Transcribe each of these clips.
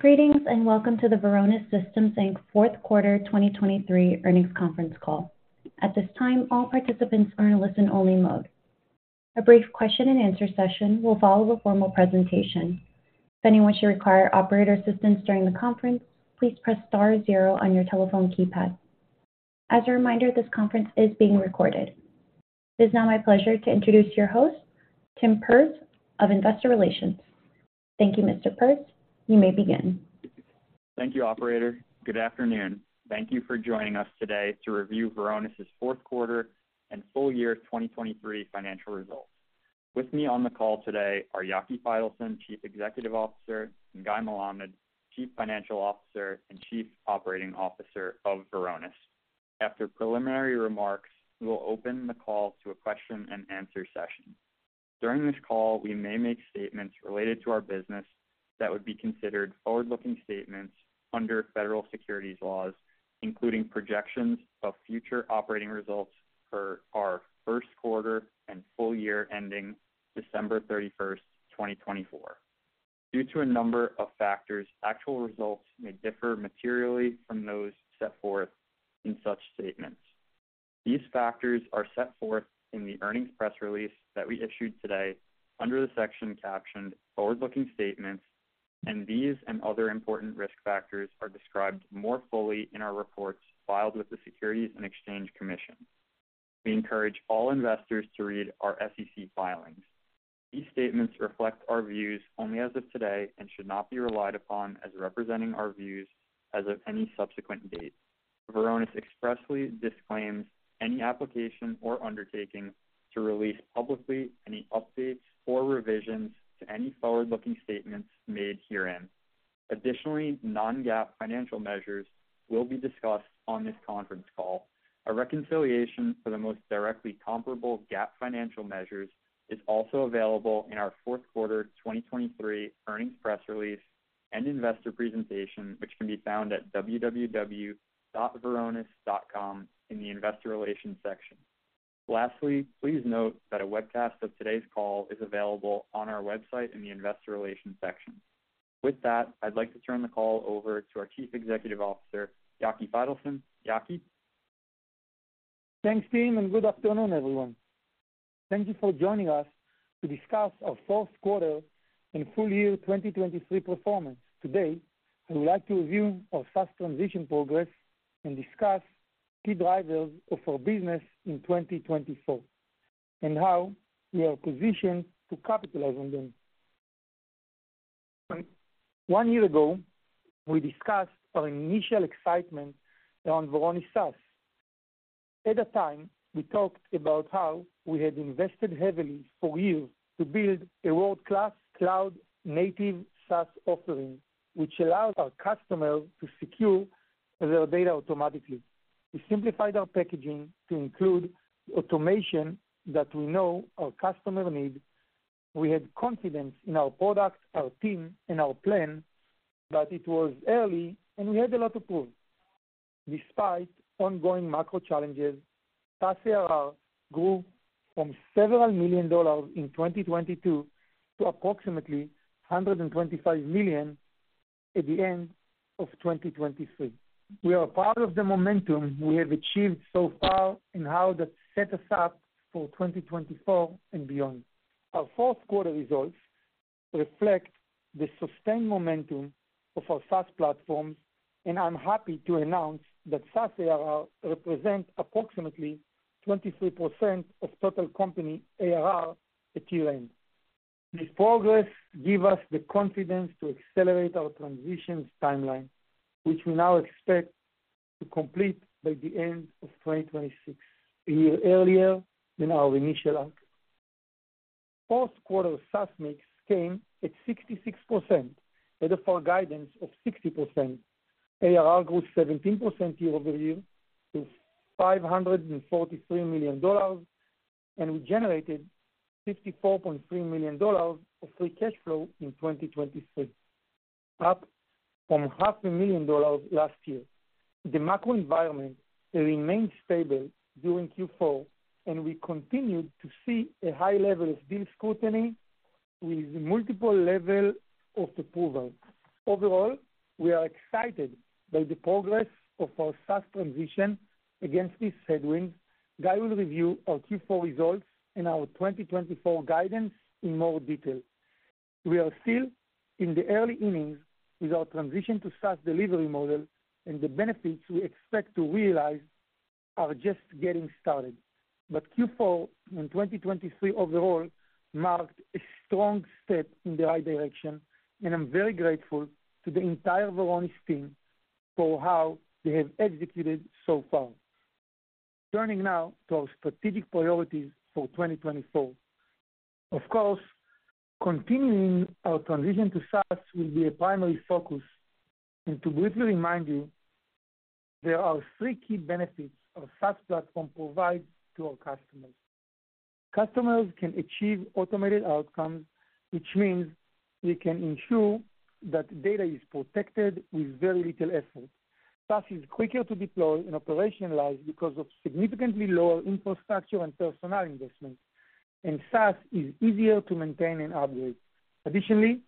Greetings, and welcome to the Varonis Systems, Inc.'s fourth quarter 2023 earnings conference call. At this time, all participants are in a listen-only mode. A brief question and answer session will follow the formal presentation. If anyone should require operator assistance during the conference, please press star zero on your telephone keypad. As a reminder, this conference is being recorded. It is now my pleasure to introduce your host, Tim Perz of Investor Relations. Thank you, Mr. Perz. You may begin. Thank you, operator. Good afternoon. Thank you for joining us today to review Varonis' fourth quarter and full year 2023 financial results. With me on the call today are Yaki Faitelson, Chief Executive Officer, and Guy Melamed, Chief Financial Officer and Chief Operating Officer of Varonis. After preliminary remarks, we will open the call to a question-and-answer session. During this call, we may make statements related to our business that would be considered forward-looking statements under federal securities laws, including projections of future operating results for our first quarter and full year ending December 31, 2024. Due to a number of factors, actual results may differ materially from those set forth in such statements. These factors are set forth in the earnings press release that we issued today under the section captioned Forward-Looking Statements, and these and other important risk factors are described more fully in our reports filed with the Securities and Exchange Commission. We encourage all investors to read our SEC filings. These statements reflect our views only as of today and should not be relied upon as representing our views as of any subsequent date. Varonis expressly disclaims any application or undertaking to release publicly any updates or revisions to any forward-looking statements made herein. Additionally, non-GAAP financial measures will be discussed on this conference call. A reconciliation for the most directly comparable GAAP financial measures is also available in our fourth quarter 2023 earnings press release and investor presentation, which can be found at www.varonis.com in the Investor Relations section. Lastly, please note that a webcast of today's call is available on our website in the Investor Relations section. With that, I'd like to turn the call over to our Chief Executive Officer, Yaki Faitelson. Yaki? Thanks, Tim, and good afternoon, everyone. Thank you for joining us to discuss our fourth quarter and full year 2023 performance. Today, I would like to review our SaaS transition progress and discuss key drivers of our business in 2024, and how we are positioned to capitalize on them. One year ago, we discussed our initial excitement around Varonis SaaS. At the time, we talked about how we had invested heavily for you to build a world-class, cloud-native SaaS offering, which allows our customers to secure their data automatically. We simplified our packaging to include automation that we know our customers need. We had confidence in our products, our team, and our plan, but it was early and we had a lot to prove. Despite ongoing macro challenges, SaaS ARR grew from several million in 2022 to approximately $125 million at the end of 2023. We are part of the momentum we have achieved so far and how that set us up for 2024 and beyond. Our fourth quarter results reflect the sustained momentum of our SaaS platform, and I'm happy to announce that SaaS ARR represents approximately 23% of total company ARR at year-end. This progress give us the confidence to accelerate our transitions timeline, which we now expect to complete by the end of 2026, a year earlier than our initial outlook. Fourth quarter SaaS mix came at 66% ahead of our guidance of 60%. ARR grew 17% year-over-year to $543 million, and we generated $54.3 million of free cash flow in 2023, up from $500,000 last year. The macro environment remained stable during Q4, and we continued to see a high level of deal scrutiny with multiple level of approval. Overall, we are excited by the progress of our SaaS transition against these headwinds. Guy will review our Q4 results and our 2024 guidance in more detail. We are still in the early innings with our transition to SaaS delivery model, and the benefits we expect to realize are just getting started. But Q4 in 2023 overall marked a strong step in the right direction, and I'm very grateful to the entire Varonis team for how they have executed so far. Turning now to our strategic priorities for 2024. Of course, continuing our transition to SaaS will be a primary focus, and to briefly remind you, there are three key benefits our SaaS platform provides to our customers. Customers can achieve automated outcomes, which means they can ensure that data is protected with very little effort. SaaS is quicker to deploy and operationalize because of significantly lower infrastructure and personnel investments... and SaaS is easier to maintain and upgrade. Additionally,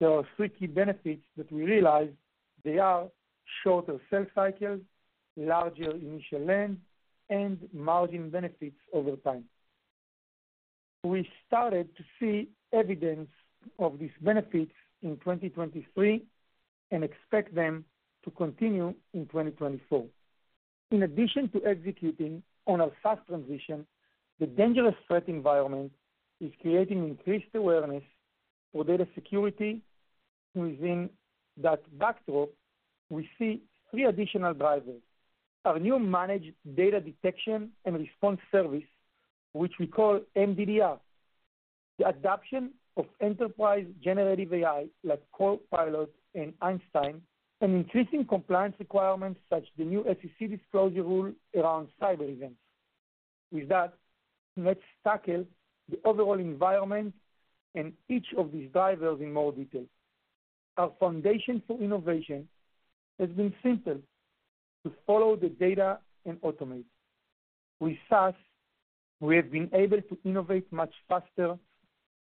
there are three key benefits that we realize. They are shorter sales cycles, larger initial lands, and margin benefits over time. We started to see evidence of these benefits in 2023 and expect them to continue in 2024. In addition to executing on our SaaS transition, the dangerous threat environment is creating increased awareness for data security. Within that backdrop, we see three additional drivers. Our new managed data detection and response service, which we call MDDR, the adoption of enterprise generative AI, like Copilot and Einstein, and increasing compliance requirements such as the new SEC disclosure rule around cyber events. With that, let's tackle the overall environment and each of these drivers in more detail. Our foundation for innovation has been simple: to follow the data and automate. With SaaS, we have been able to innovate much faster.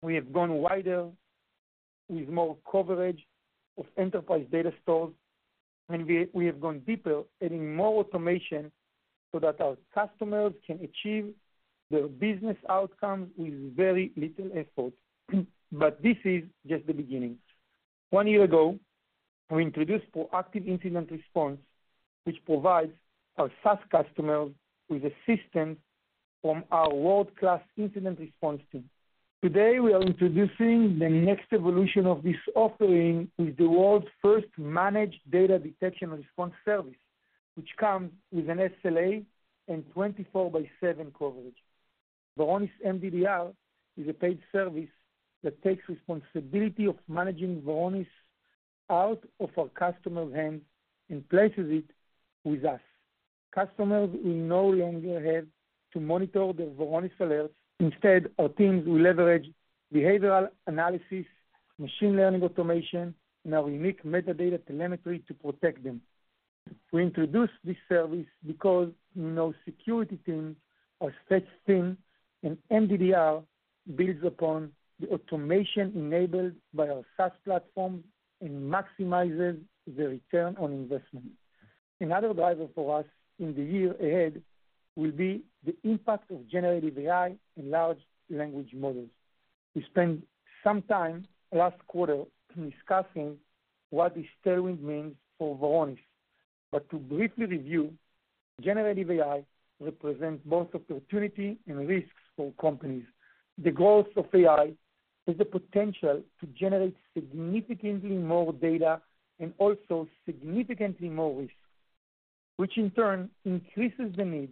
We have gone wider with more coverage of enterprise data stores, and we have gone deeper, adding more automation so that our customers can achieve their business outcomes with very little effort. But this is just the beginning. One year ago, we introduced Proactive Incident Response, which provides our SaaS customers with assistance from our world-class incident response team. Today, we are introducing the next evolution of this offering with the world's first managed data detection and response service, which comes with an SLA and 24/7 coverage. Varonis MDDR is a paid service that takes responsibility of managing Varonis out of our customers' hands and places it with us. Customers will no longer have to monitor their Varonis alerts. Instead, our teams will leverage behavioral analysis, machine learning automation, and our unique metadata telemetry to protect them. We introduced this service because no security teams or such things, and MDDR builds upon the automation enabled by our SaaS platform and maximizes the return on investment. Another driver for us in the year ahead will be the impact of generative AI and large language models. We spent some time last quarter discussing what this term means for Varonis. But to briefly review, generative AI represents both opportunity and risks for companies. The growth of AI has the potential to generate significantly more data and also significantly more risk, which in turn increases the need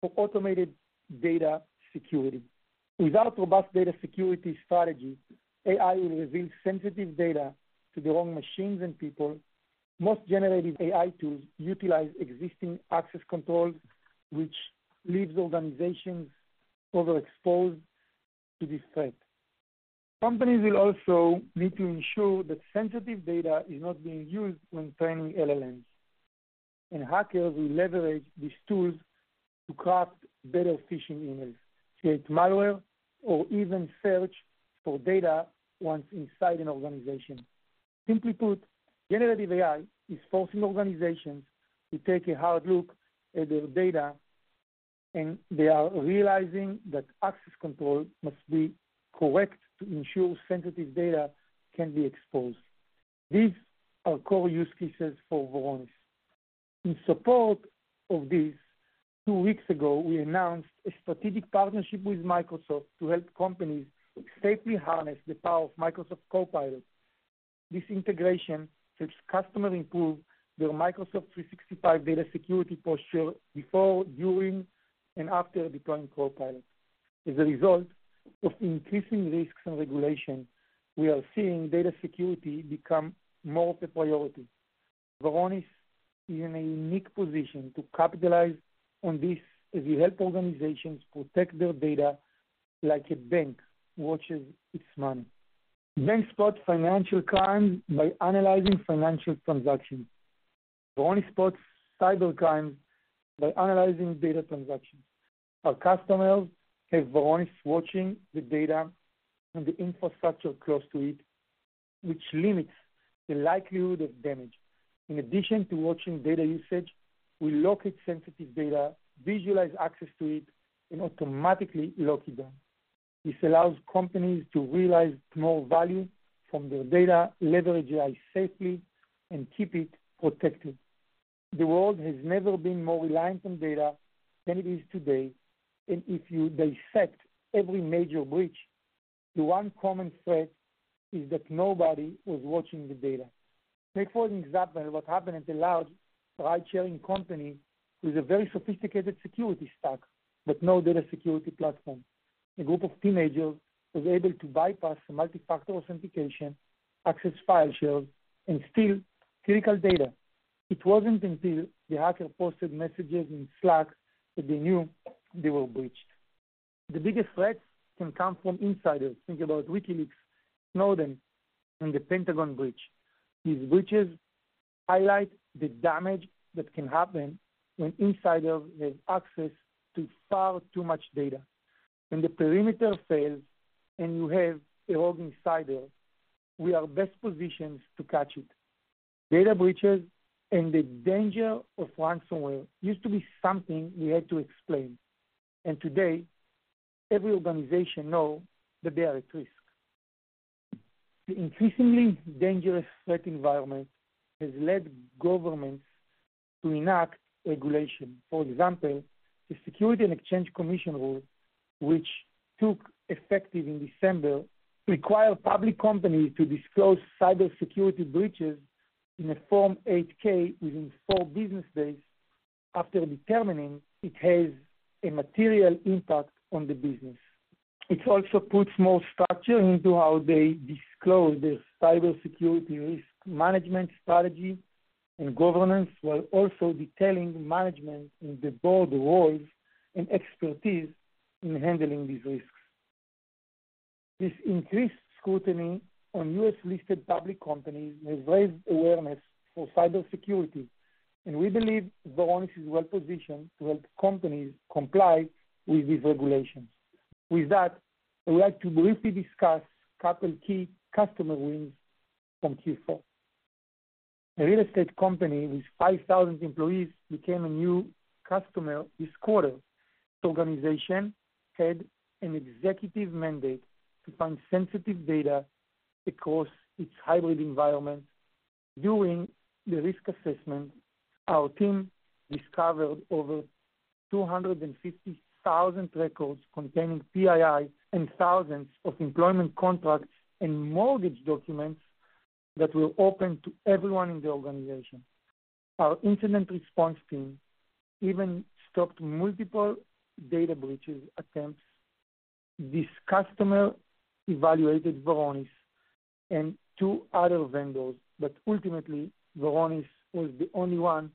for automated data security. Without a robust data security strategy, AI will reveal sensitive data to the wrong machines and people. Most generative AI tools utilize existing access controls, which leaves organizations overexposed to this threat. Companies will also need to ensure that sensitive data is not being used when training LLMs, and hackers will leverage these tools to craft better phishing emails, create malware, or even search for data once inside an organization. Simply put, generative AI is forcing organizations to take a hard look at their data, and they are realizing that access control must be correct to ensure sensitive data can be exposed. These are core use cases for Varonis. In support of this, two weeks ago, we announced a strategic partnership with Microsoft to help companies safely harness the power of Microsoft Copilot. This integration helps customers improve their Microsoft 365 data security posture before, during, and after deploying Copilot. As a result of increasing risks and regulation, we are seeing data security become more of a priority. Varonis is in a unique position to capitalize on this as we help organizations protect their data like a bank watches its money. Banks spot financial crime by analyzing financial transactions. Varonis spots cybercrime by analyzing data transactions. Our customers have Varonis watching the data and the infrastructure close to it, which limits the likelihood of damage. In addition to watching data usage, we locate sensitive data, visualize access to it, and automatically lock it down. This allows companies to realize more value from their data, leverage AI safely, and keep it protected. The world has never been more reliant on data than it is today, and if you dissect every major breach, the one common thread is that nobody was watching the data. Take, for an example, what happened at a large ride-sharing company with a very sophisticated security stack, but no data security platform. A group of teenagers was able to bypass the multi-factor authentication, access file shares, and steal critical data. It wasn't until the hacker posted messages in Slack that they knew they were breached. The biggest threats can come from insiders. Think about WikiLeaks, Snowden, and the Pentagon breach. These breaches highlight the damage that can happen when insiders have access to far too much data. When the perimeter fails and you have a rogue insider, we are best positioned to catch it. Data breaches and the danger of ransomware used to be something we had to explain, and today, every organization knows that they are at risk. The increasingly dangerous threat environment has led governments to enact regulation. For example, the Securities and Exchange Commission rule, which took effect in December, requires public companies to disclose cybersecurity breaches in a Form 8-K within four business days after determining it has a material impact on the business. It also puts more structure into how they disclose their cybersecurity risk management strategy and governance, while also detailing management and the board roles and expertise in handling these risks. This increased scrutiny on U.S.-listed public companies has raised awareness for cybersecurity, and we believe Varonis is well positioned to help companies comply with these regulations. With that, I would like to briefly discuss couple key customer wins from Q4. A real estate company with 5,000 employees became a new customer this quarter. This organization had an executive mandate to find sensitive data across its hybrid environment. During the risk assessment, our team discovered over 250,000 records containing PII and thousands of employment contracts and mortgage documents that were open to everyone in the organization. Our incident response team even stopped multiple data breach attempts. This customer evaluated Varonis and two other vendors, but ultimately, Varonis was the only one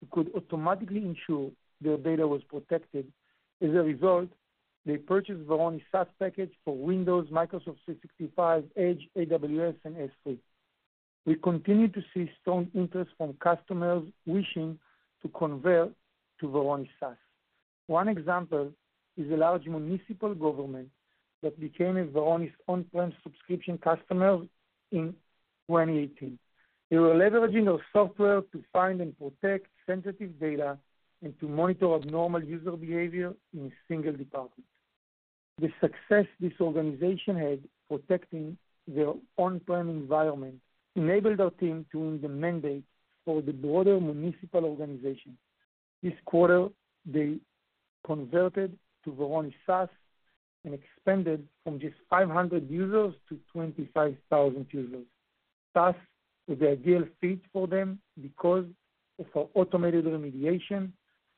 who could automatically ensure their data was protected. As a result, they purchased Varonis SaaS package for Windows, Microsoft 365, Edge, AWS, and S3. We continue to see strong interest from customers wishing to convert to Varonis SaaS. One example is a large municipal government that became a Varonis on-prem subscription customer in 2018. They were leveraging our software to find and protect sensitive data and to monitor abnormal user behavior in a single department. The success this organization had protecting their on-prem environment enabled our team to win the mandate for the broader municipal organization. This quarter, they converted to Varonis SaaS and expanded from just 500 users to 25,000 users. SaaS is the ideal fit for them because of our automated remediation,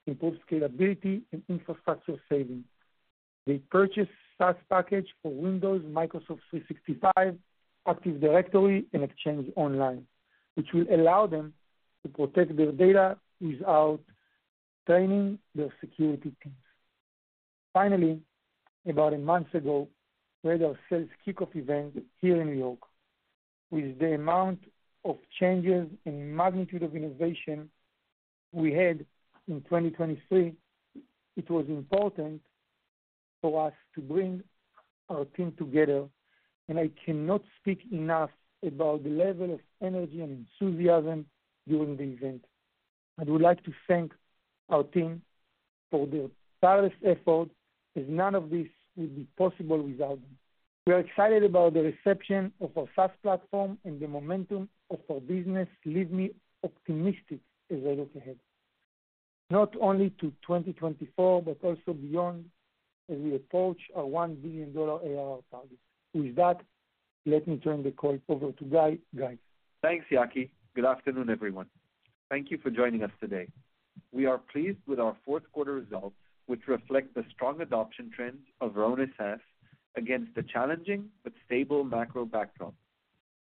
improved scalability, and infrastructure savings. They purchased SaaS package for Windows, Microsoft 365, Active Directory, and Exchange Online, which will allow them to protect their data without training their security teams. Finally, about a month ago, we had our sales kickoff event here in New York. With the amount of changes and magnitude of innovation we had in 2023, it was important for us to bring our team together, and I cannot speak enough about the level of energy and enthusiasm during the event. I would like to thank our team for their tireless effort, as none of this would be possible without them. We are excited about the reception of our SaaS platform, and the momentum of our business leaves me optimistic as I look ahead, not only to 2024, but also beyond, as we approach our $1 billion ARR target. With that, let me turn the call over to Guy. Guy? Thanks, Yaki. Good afternoon, everyone. Thank you for joining us today. We are pleased with our fourth quarter results, which reflect the strong adoption trends of Varonis SaaS against the challenging but stable macro backdrop.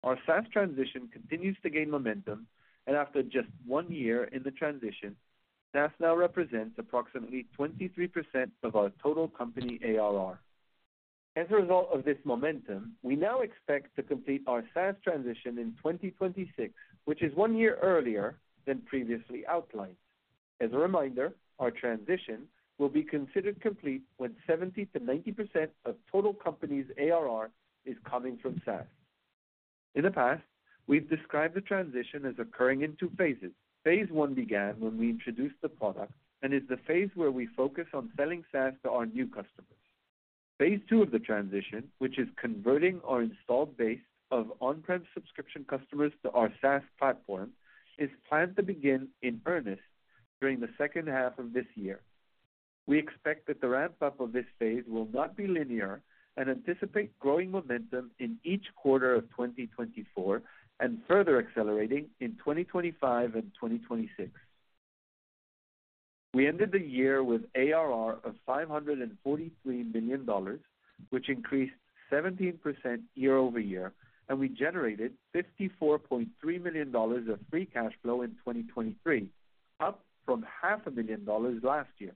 Our SaaS transition continues to gain momentum, and after just one year in the transition, SaaS now represents approximately 23% of our total company ARR. As a result of this momentum, we now expect to complete our SaaS transition in 2026, which is one year earlier than previously outlined. As a reminder, our transition will be considered complete when 70%-90% of total company's ARR is coming from SaaS. In the past, we've described the transition as occurring in two phases. Phase one began when we introduced the product and is the phase where we focus on selling SaaS to our new customers. Phase two of the transition, which is converting our installed base of on-prem subscription customers to our SaaS platform, is planned to begin in earnest during the second half of this year. We expect that the ramp-up of this phase will not be linear and anticipate growing momentum in each quarter of 2024, and further accelerating in 2025 and 2026. We ended the year with ARR of $543 million, which increased 17% year-over-year, and we generated $54.3 million of free cash flow in 2023, up from $500,000 last year.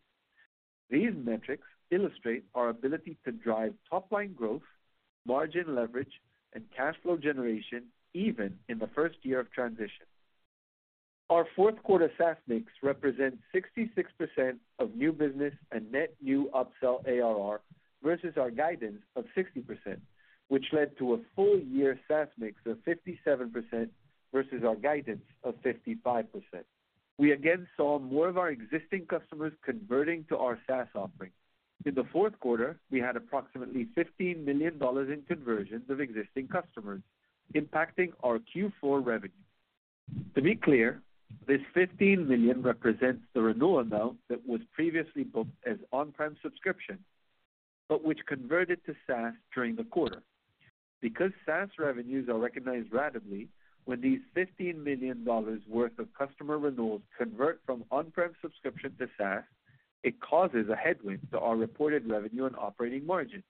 These metrics illustrate our ability to drive top-line growth, margin leverage, and cash flow generation, even in the first year of transition. Our fourth quarter SaaS mix represents 66% of new business and net new upsell ARR, versus our guidance of 60%, which led to a full-year SaaS mix of 57% versus our guidance of 55%. We again saw more of our existing customers converting to our SaaS offering. In the fourth quarter, we had approximately $15 million in conversions of existing customers, impacting our Q4 revenue. To be clear, this $15 million represents the renewal amount that was previously booked as on-prem subscription, but which converted to SaaS during the quarter. Because SaaS revenues are recognized ratably, when these $15 million worth of customer renewals convert from on-prem subscription to SaaS, it causes a headwind to our reported revenue and operating margin.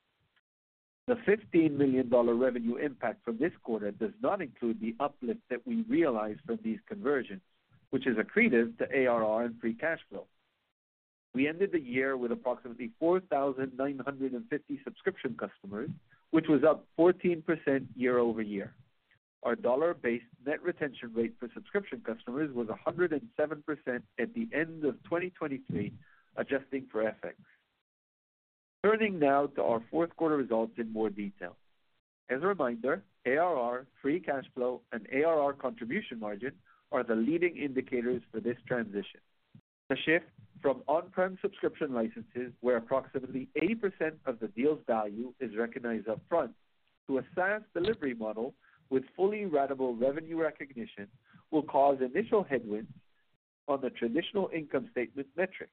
The $15 million revenue impact from this quarter does not include the uplift that we realize from these conversions, which is accretive to ARR and free cash flow. We ended the year with approximately 4,950 subscription customers, which was up 14% year over year. Our dollar-based net retention rate for subscription customers was 107% at the end of 2023, adjusting for FX. Turning now to our fourth quarter results in more detail. As a reminder, ARR, free cash flow, and ARR contribution margin are the leading indicators for this transition. The shift from on-prem subscription licenses, where approximately 80% of the deal's value is recognized upfront, to a SaaS delivery model with fully ratable revenue recognition, will cause initial headwinds on the traditional income statement metrics.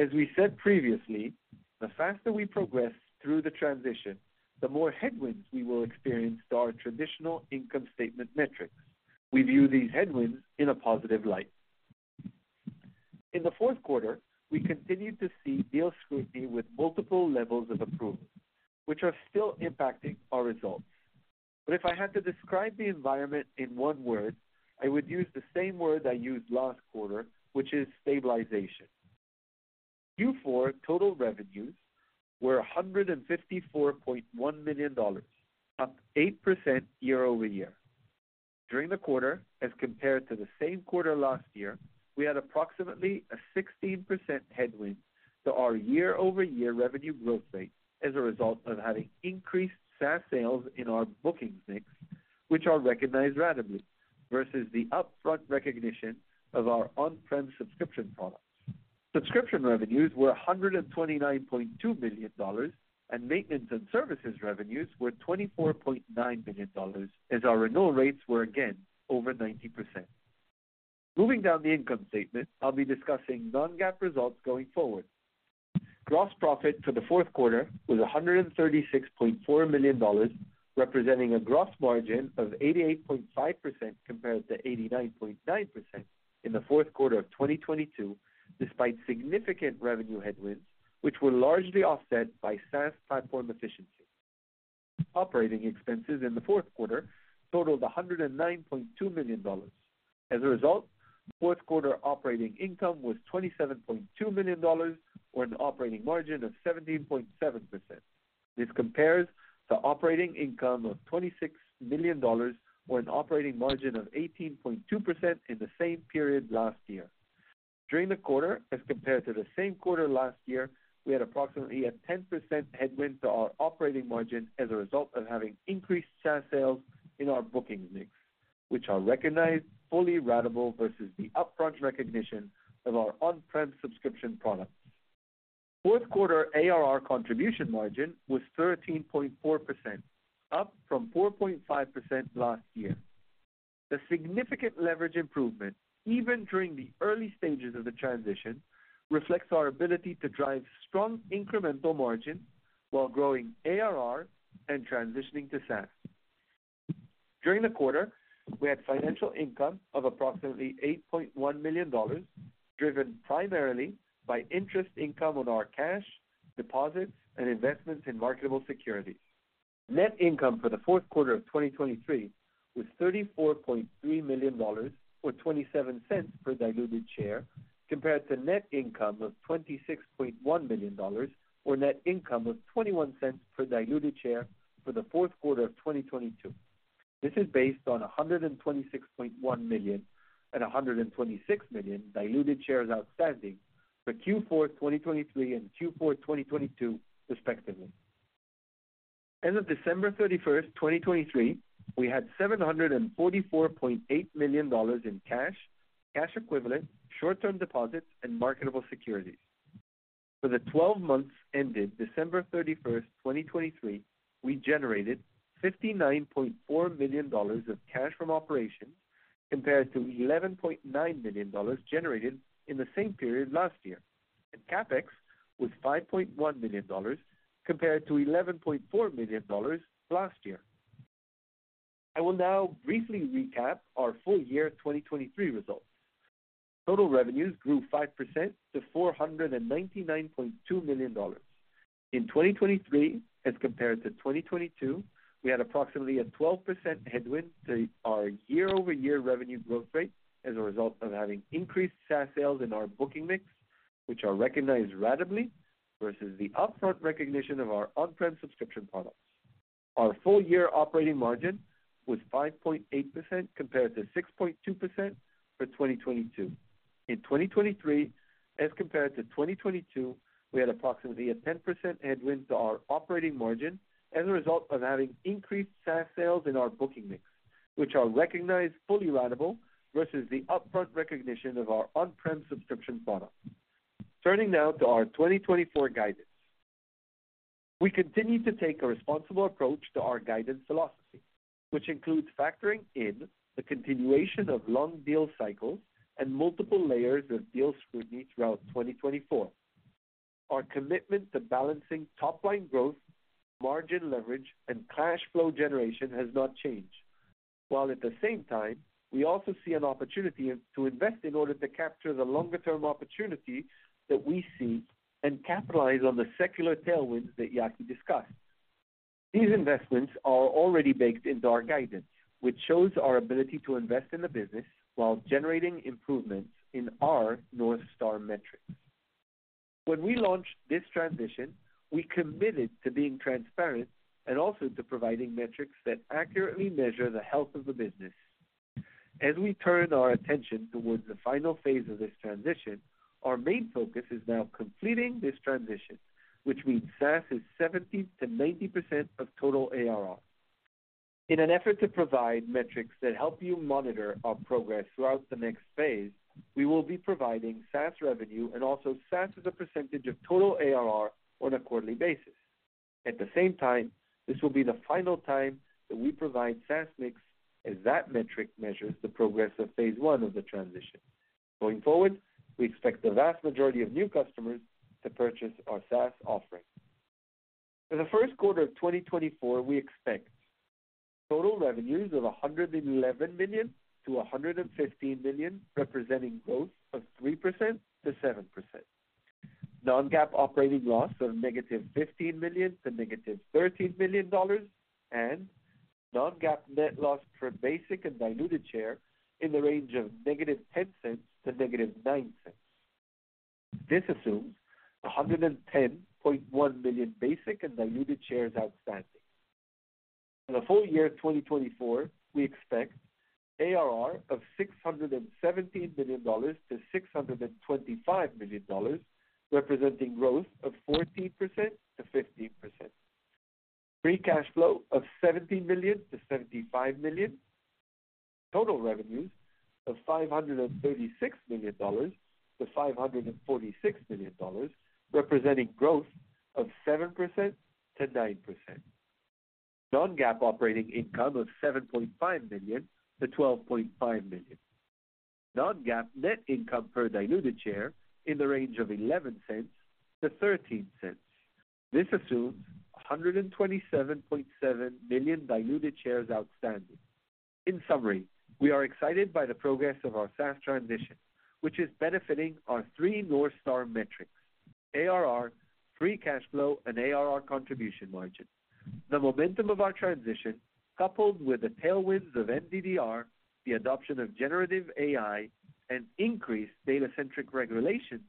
As we said previously, the faster we progress through the transition, the more headwinds we will experience to our traditional income statement metrics. We view these headwinds in a positive light. In the fourth quarter, we continued to see deal scrutiny with multiple levels of approval, which are still impacting our results. But if I had to describe the environment in one word, I would use the same word I used last quarter, which is stabilization. Q4 total revenues were $154.1 million, up 8% year-over-year. During the quarter, as compared to the same quarter last year, we had approximately a 16% headwind to our year-over-year revenue growth rate as a result of having increased SaaS sales in our bookings mix, which are recognized ratably, versus the upfront recognition of our on-prem subscription products. Subscription revenues were $129.2 million, and maintenance and services revenues were $24.9 million, as our renewal rates were again over 90%. Moving down the income statement, I'll be discussing non-GAAP results going forward. Gross profit for the fourth quarter was $136.4 million, representing a gross margin of 88.5%, compared to 89.9% in the fourth quarter of 2022, despite significant revenue headwinds, which were largely offset by SaaS platform efficiency. Operating expenses in the fourth quarter totaled $109.2 million. As a result, fourth quarter operating income was $27.2 million, or an operating margin of 17.7%. This compares to operating income of $26 million, or an operating margin of 18.2% in the same period last year. During the quarter, as compared to the same quarter last year, we had approximately a 10% headwind to our operating margin as a result of having increased SaaS sales in our bookings mix, which are recognized fully ratable versus the upfront recognition of our on-prem subscription products. Fourth quarter ARR contribution margin was 13.4%, up from 4.5% last year. The significant leverage improvement, even during the early stages of the transition, reflects our ability to drive strong incremental margin while growing ARR and transitioning to SaaS. During the quarter, we had financial income of approximately $8.1 million, driven primarily by interest income on our cash, deposits, and investments in marketable securities. Net income for the fourth quarter of 2023 was $34.3 million, or $0.27 per diluted share, compared to net income of $26.1 million, or net income of $0.21 per diluted share for the fourth quarter of 2022. This is based on 126.1 million and 126 million diluted shares outstanding for Q4 2023 and Q4 2022, respectively. As of December 31, 2023, we had $744.8 million in cash, cash equivalents, short-term deposits, and marketable securities. For the 12 months ended December 31, 2023, we generated $59.4 million of cash from operations, compared to $11.9 million generated in the same period last year, and CapEx was $5.1 million, compared to $11.4 million last year. I will now briefly recap our full year 2023 results. Total revenues grew 5% to $499.2 million. In 2023 as compared to 2022, we had approximately a 12% headwind to our year-over-year revenue growth rate as a result of having increased SaaS sales in our booking mix, which are recognized ratably versus the upfront recognition of our on-prem subscription products. Our full-year operating margin was 5.8% compared to 6.2% for 2022. In 2023, as compared to 2022, we had approximately a 10% headwind to our operating margin as a result of having increased SaaS sales in our booking mix, which are recognized fully ratable versus the upfront recognition of our on-prem subscription products. Turning now to our 2024 guidance. We continue to take a responsible approach to our guidance philosophy, which includes factoring in the continuation of long deal cycles and multiple layers of deal scrutiny throughout 2024. Our commitment to balancing top-line growth, margin leverage, and cash flow generation has not changed. While at the same time, we also see an opportunity to invest in order to capture the longer-term opportunity that we see and capitalize on the secular tailwinds that Yaki discussed. These investments are already baked into our guidance, which shows our ability to invest in the business while generating improvements in our North Star metrics. When we launched this transition, we committed to being transparent and also to providing metrics that accurately measure the health of the business. As we turn our attention towards the final phase of this transition, our main focus is now completing this transition, which means SaaS is 70%-90% of total ARR. In an effort to provide metrics that help you monitor our progress throughout the next phase, we will be providing SaaS revenue and also SaaS as a percentage of total ARR on a quarterly basis. At the same time, this will be the final time that we provide SaaS mix as that metric measures the progress of phase one of the transition. Going forward, we expect the vast majority of new customers to purchase our SaaS offering. For the first quarter of 2024, we expect total revenues of $111 million-$115 million, representing growth of 3%-7%. Non-GAAP operating loss of -$15 million to -$13 million, and non-GAAP net loss per basic and diluted share in the range of -$0.10 to -$0.09. This assumes 110.1 million basic and diluted shares outstanding. For the full year of 2024, we expect ARR of $617 million-$625 million, representing growth of 14%-15%. Free cash flow of $70 million-$75 million. Total revenues of $536 million-$546 million, representing growth of 7%-9%. Non-GAAP operating income of $7.5 million-$12.5 million. Non-GAAP net income per diluted share in the range of $0.11-$0.13. This assumes 127.7 million diluted shares outstanding. In summary, we are excited by the progress of our SaaS transition, which is benefiting our three North Star metrics: ARR, free cash flow, and ARR contribution margin. The momentum of our transition, coupled with the tailwinds of MDDR, the adoption of generative AI, and increased data-centric regulation,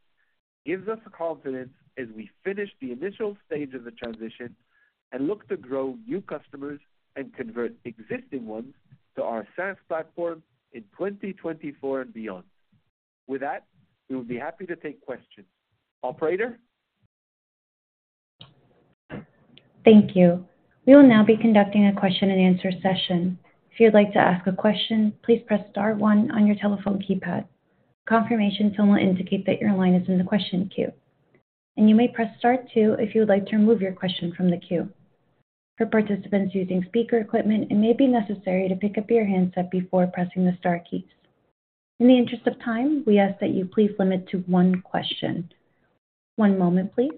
gives us confidence as we finish the initial stage of the transition and look to grow new customers and convert existing ones to our SaaS platform in 2024 and beyond. With that, we will be happy to take questions. Operator? Thank you. We will now be conducting a question-and-answer session. If you'd like to ask a question, please press star one on your telephone keypad. Confirmation tone will indicate that your line is in the question queue, and you may press star two if you would like to remove your question from the queue. For participants using speaker equipment, it may be necessary to pick up your handset before pressing the star keys. In the interest of time, we ask that you please limit to one question. One moment, please.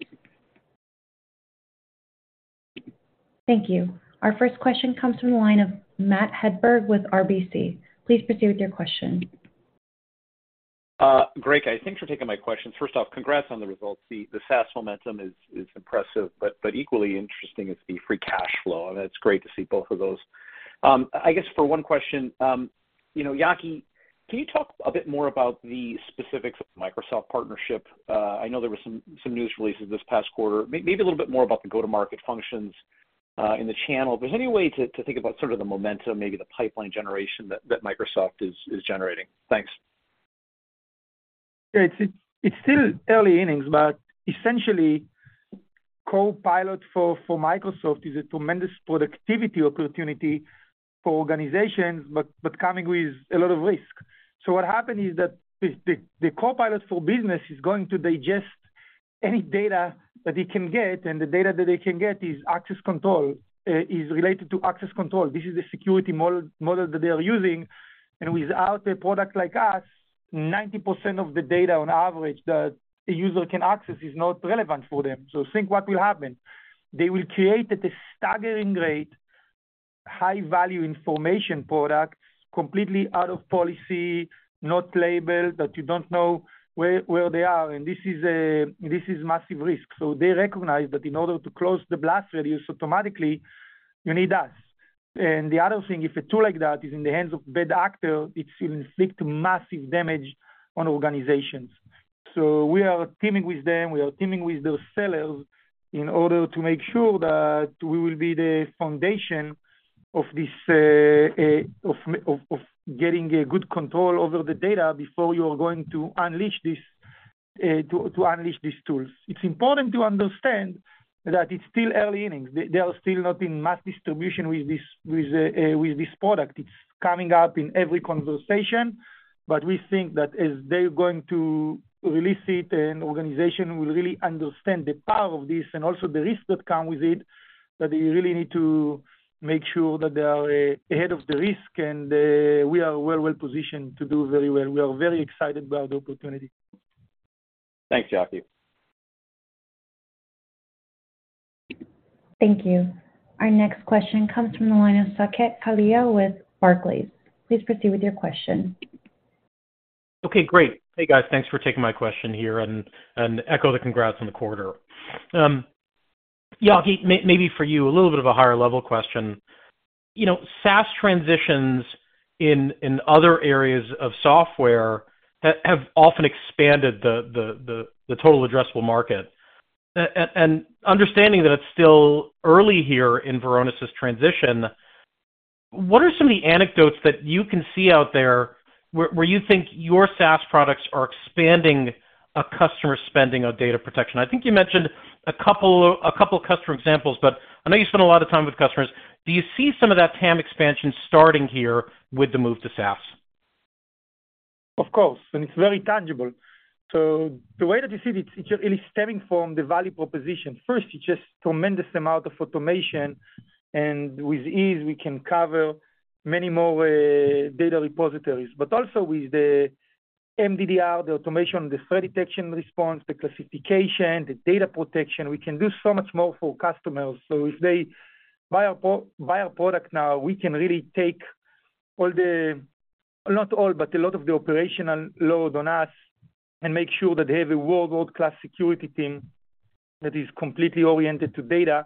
Thank you. Our first question comes from the line of Matt Hedberg with RBC. Please proceed with your question. Great. Guys, thanks for taking my questions. First off, congrats on the results. The SaaS momentum is impressive, but equally interesting is the free cash flow, and it's great to see both of those. I guess for one question, you know, Yaki, can you talk a bit more about the specifics of the Microsoft partnership? I know there were some news releases this past quarter. Maybe a little bit more about the go-to-market functions in the channel. But any way to think about sort of the momentum, maybe the pipeline generation that Microsoft is generating? Thanks. Yeah, it's still early innings, but essentially, Copilot for Microsoft is a tremendous productivity opportunity for organizations, but coming with a lot of risk. So what happened is that the Copilot for Business is going to digest any data that it can get, and the data that it can get is access control, is related to access control. This is the security model that they are using, and without a product like us, 90% of the data on average that a user can access is not relevant for them. So think what will happen. They will create, at a staggering rate high value information product completely out of policy, not labeled, that you don't know where they are, and this is massive risk. So they recognize that in order to close the blast radius automatically, you need us. And the other thing, if a tool like that is in the hands of bad actor, it will inflict massive damage on organizations. So we are teaming with them, we are teaming with those sellers in order to make sure that we will be the foundation of this, of getting a good control over the data before you are going to unleash this, to unleash these tools. It's important to understand that it's still early innings. They, they are still not in mass distribution with this, with, with this product. It's coming up in every conversation, but we think that as they're going to release it and organization will really understand the power of this and also the risks that come with it, that they really need to make sure that they are ahead of the risk, and we are well, well positioned to do very well. We are very excited about the opportunity. Thanks, Yaki. Thank you. Our next question comes from the line of Saket Kalia with Barclays. Please proceed with your question. Okay, great. Hey, guys, thanks for taking my question here, and echo the congrats on the quarter. Yaki, maybe for you, a little bit of a higher level question. You know, SaaS transitions in other areas of software that have often expanded the total addressable market. And understanding that it's still early here in Varonis' transition, what are some of the anecdotes that you can see out there where you think your SaaS products are expanding a customer spending on data protection? I think you mentioned a couple of customer examples, but I know you spend a lot of time with customers. Do you see some of that TAM expansion starting here with the move to SaaS? Of course, and it's very tangible. So the way that you see it, it's, it's really stemming from the value proposition. First, it's just tremendous amount of automation, and with ease, we can cover many more data repositories. But also with the MDR, the automation, the threat detection response, the classification, the data protection, we can do so much more for customers. So if they buy our pro- buy our product now, we can really take all the... Not all, but a lot of the operational load on us, and make sure that they have a world, world-class security team that is completely oriented to data.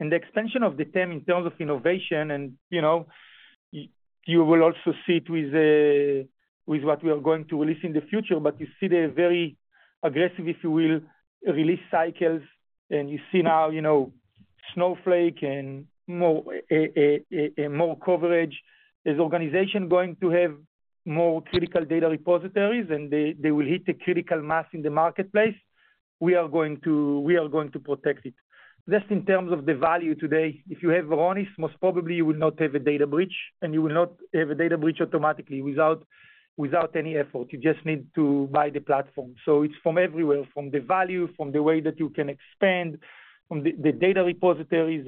And the extension of the team in terms of innovation and, you know, you will also see it with what we are going to release in the future, but you see the very aggressive, if you will, release cycles, and you see now, you know, Snowflake and more coverage. As organizations going to have more critical data repositories and they will hit the critical mass in the marketplace, we are going to protect it. Just in terms of the value today, if you have Varonis, most probably you will not have a data breach, and you will not have a data breach automatically without any effort. You just need to buy the platform. So it's from everywhere, from the value, from the way that you can expand, from the, the data repositories,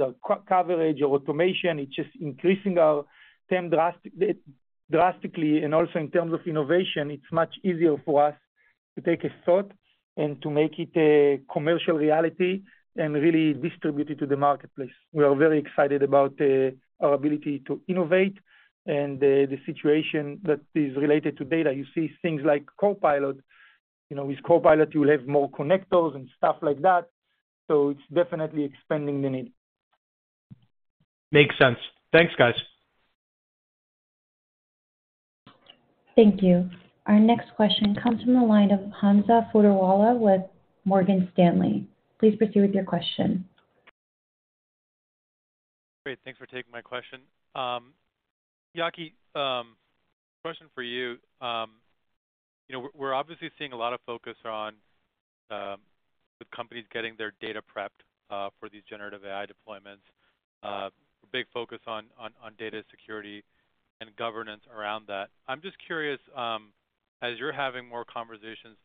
coverage, your automation, it's just increasing our TAM drastically, and also in terms of innovation, it's much easier for us to take a thought and to make it a commercial reality and really distribute it to the marketplace. We are very excited about our ability to innovate and the situation that is related to data. You see things like Copilot. You know, with Copilot, you will have more connectors and stuff like that, so it's definitely expanding the need. Makes sense. Thanks, guys. Thank you. Our next question comes from the line of Hamza Fodderwala with Morgan Stanley. Please proceed with your question. Great, thanks for taking my question. Yaki, question for you. You know, we're, we're obviously seeing a lot of focus on, with companies getting their data prepped, for these generative AI deployments, a big focus on, on, on data security and governance around that. I'm just curious, as you're having more conversations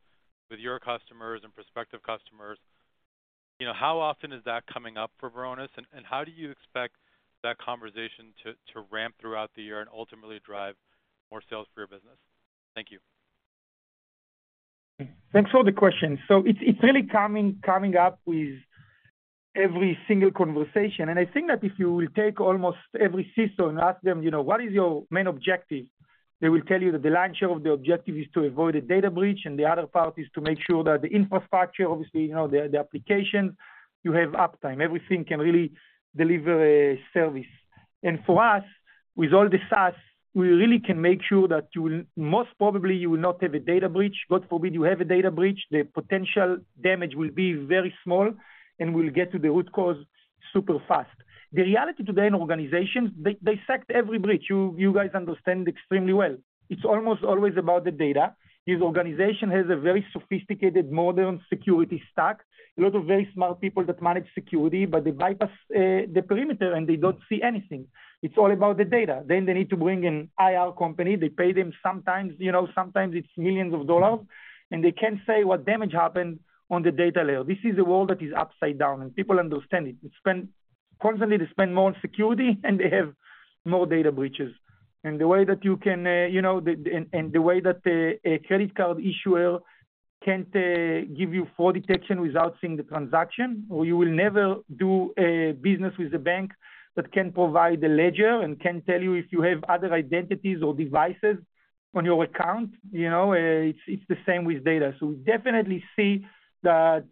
with your customers and prospective customers, you know, how often is that coming up for Varonis, and, and how do you expect that conversation to, to ramp throughout the year and ultimately drive more sales for your business? Thank you. Thanks for the question. So it's really coming up with every single conversation. And I think that if you will take almost every CISO and ask them, you know, "What is your main objective?" They will tell you that the lion's share of the objective is to avoid a data breach, and the other part is to make sure that the infrastructure, obviously, you know, the application, you have uptime. Everything can really deliver a service. And for us, with all the SaaS, we really can make sure that, most probably, you will not have a data breach. God forbid, you have a data breach, the potential damage will be very small, and we'll get to the root cause super fast. The reality today in organizations, they face every breach. You guys understand extremely well. It's almost always about the data. This organization has a very sophisticated, modern security stack, a lot of very smart people that manage security, but they bypass the perimeter, and they don't see anything. It's all about the data. Then they need to bring in IR company. They pay them sometimes, you know, sometimes it's $ millions, and they can't say what damage happened on the data layer. This is a world that is upside down, and people understand it. They spend constantly, they spend more on security, and they have more data breaches. And the way that you can, you know, and the way that a credit card issuer can't give you fraud detection without seeing the transaction, or you will never do a business with a bank that can provide a ledger and can tell you if you have other identities or devices on your account. You know, it's the same with data. So we definitely see that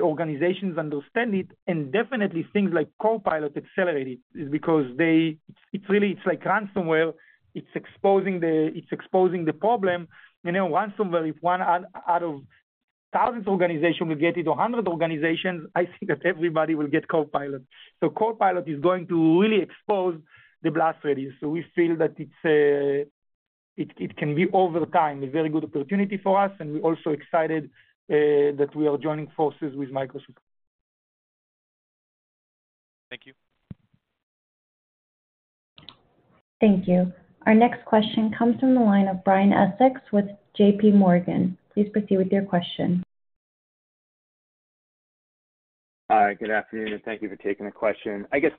organizations understand it, and definitely things like Copilot accelerate it. It's because they—it's really like ransomware, it's exposing the problem. You know, ransomware, if one out of thousands of organizations will get it, or hundred organizations, I think that everybody will get Copilot. So Copilot is going to really expose the blast radius. So we feel that it's a, it can be, over time, a very good opportunity for us, and we're also excited that we are joining forces with Microsoft. Thank you. Thank you. Our next question comes from the line of Brian Essex with JPMorgan. Please proceed with your question. Hi, good afternoon, and thank you for taking the question. I guess,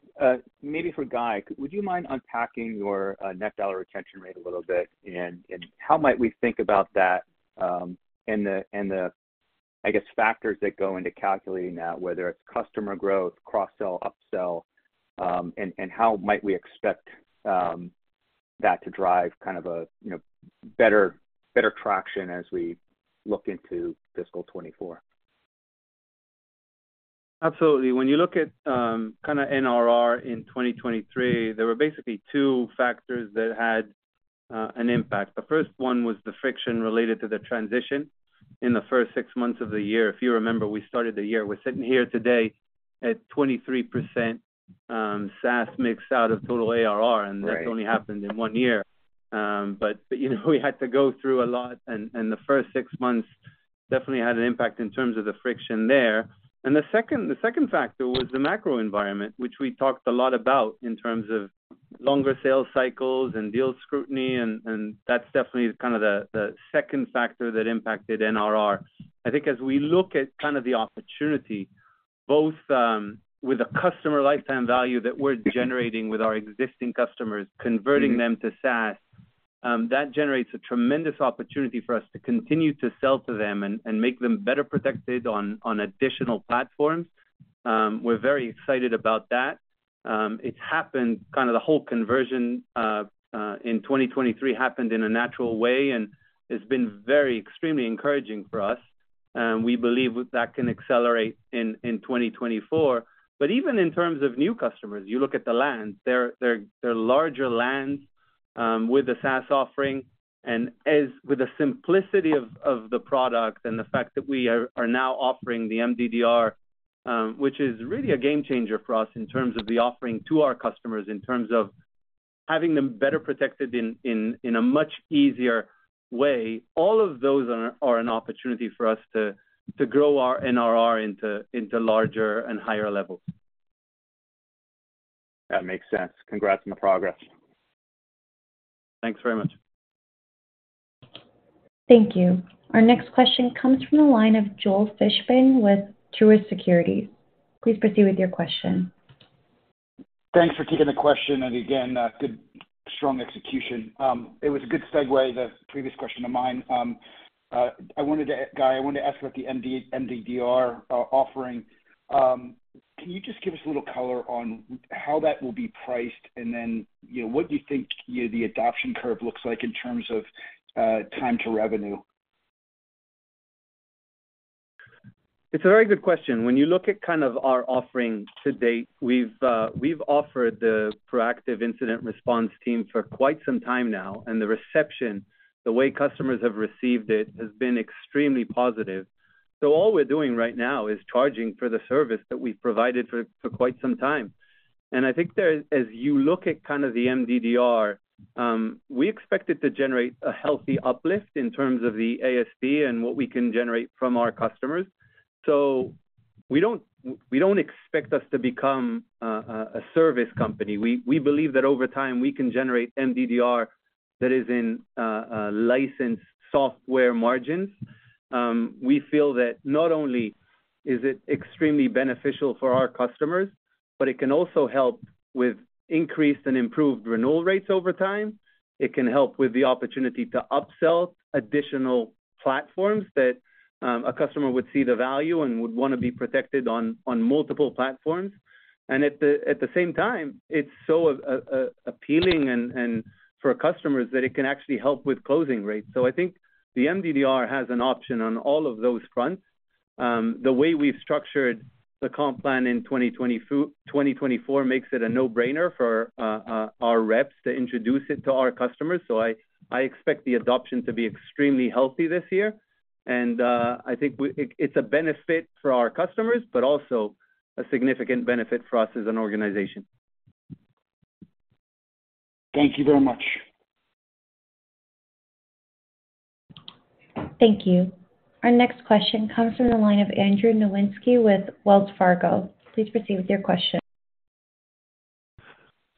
maybe for Guy, would you mind unpacking your net dollar retention rate a little bit? And how might we think about that, and the factors that go into calculating that, whether it's customer growth, cross-sell, upsell, and how might we expect that to drive kind of a, you know, better traction as we look into fiscal 2024? Absolutely. When you look at kind of NRR in 2023, there were basically two factors that had an impact. The first one was the friction related to the transition in the first six months of the year. If you remember, we started the year; we're sitting here today at 23% SaaS mix out of total ARR- Right. - and that's only happened in one year. But, you know, we had to go through a lot, and the first six months definitely had an impact in terms of the friction there. And the second factor was the macro environment, which we talked a lot about in terms of longer sales cycles and deal scrutiny, and that's definitely kind of the second factor that impacted NRR. I think as we look at kind of the opportunity, both with the customer lifetime value that we're generating with our existing customers, converting them to SaaS, that generates a tremendous opportunity for us to continue to sell to them and make them better protected on additional platforms. We're very excited about that. It's happened, kind of the whole conversion in 2023 happened in a natural way, and it's been very extremely encouraging for us, and we believe that can accelerate in 2024. But even in terms of new customers, you look at the lands, they're larger lands with the SaaS offering. And as with the simplicity of the product and the fact that we are now offering the MDDR, which is really a game changer for us in terms of the offering to our customers, in terms of having them better protected in a much easier way. All of those are an opportunity for us to grow our NRR into larger and higher levels. That makes sense. Congrats on the progress. Thanks very much. Thank you. Our next question comes from the line of Joel Fishbein with Truist Securities. Please proceed with your question. Thanks for taking the question, and again, good, strong execution. It was a good segue, the previous question of mine. I wanted to, Guy, I wanted to ask about the MDDR offering. Can you just give us a little color on how that will be priced, and then, you know, what do you think, you know, the adoption curve looks like in terms of, time to revenue? It's a very good question. When you look at kind of our offerings to date, we've, we've offered the proactive incident response team for quite some time now, and the reception, the way customers have received it, has been extremely positive. So all we're doing right now is charging for the service that we've provided for quite some time. And I think there is, as you look at kind of the MDDR, we expect it to generate a healthy uplift in terms of the ASP and what we can generate from our customers. So we don't, we don't expect us to become a service company. We, we believe that over time we can generate MDDR that is in licensed software margins. We feel that not only is it extremely beneficial for our customers, but it can also help with increased and improved renewal rates over time. It can help with the opportunity to upsell additional platforms that a customer would see the value and would want to be protected on multiple platforms. And at the same time, it's so appealing and for customers that it can actually help with closing rates. So I think the MDDR has an option on all of those fronts. The way we've structured the comp plan in 2024 makes it a no-brainer for our reps to introduce it to our customers. So I expect the adoption to be extremely healthy this year, and I think it's a benefit for our customers, but also a significant benefit for us as an organization. Thank you very much. Thank you. Our next question comes from the line of Andrew Nowinski with Wells Fargo. Please proceed with your question.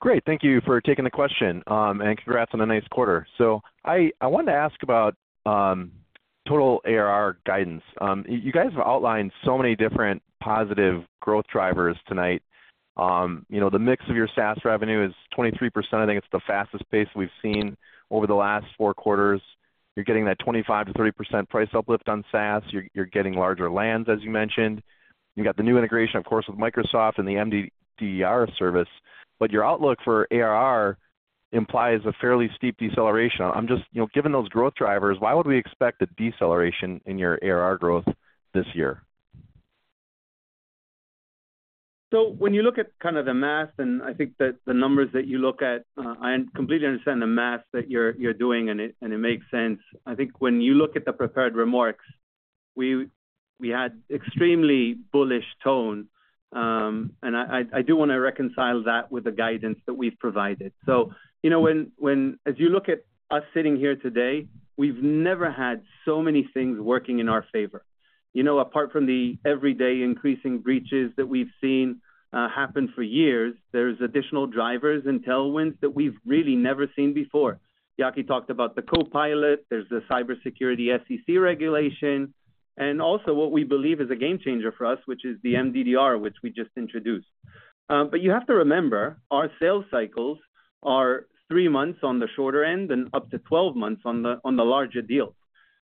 Great, thank you for taking the question, and congrats on a nice quarter. So I wanted to ask about total ARR guidance. You guys have outlined so many different positive growth drivers tonight. You know, the mix of your SaaS revenue is 23%. I think it's the fastest pace we've seen over the last four quarters. ... You're getting that 25%-30% price uplift on SaaS. You're, you're getting larger lands, as you mentioned. You've got the new integration, of course, with Microsoft and the MDDR service. But your outlook for ARR implies a fairly steep deceleration. I'm just, you know, given those growth drivers, why would we expect a deceleration in your ARR growth this year? So when you look at kind of the math, and I think that the numbers that you look at, I completely understand the math that you're doing, and it makes sense. I think when you look at the prepared remarks, we had extremely bullish tone, and I do wanna reconcile that with the guidance that we've provided. So you know, as you look at us sitting here today, we've never had so many things working in our favor. You know, apart from the everyday increasing breaches that we've seen happen for years, there's additional drivers and tailwinds that we've really never seen before. Yaki talked about the Copilot, there's the cybersecurity SEC regulation, and also what we believe is a game changer for us, which is the MDDR, which we just introduced. But you have to remember, our sales cycles are three months on the shorter end and up to 12 months on the larger deals.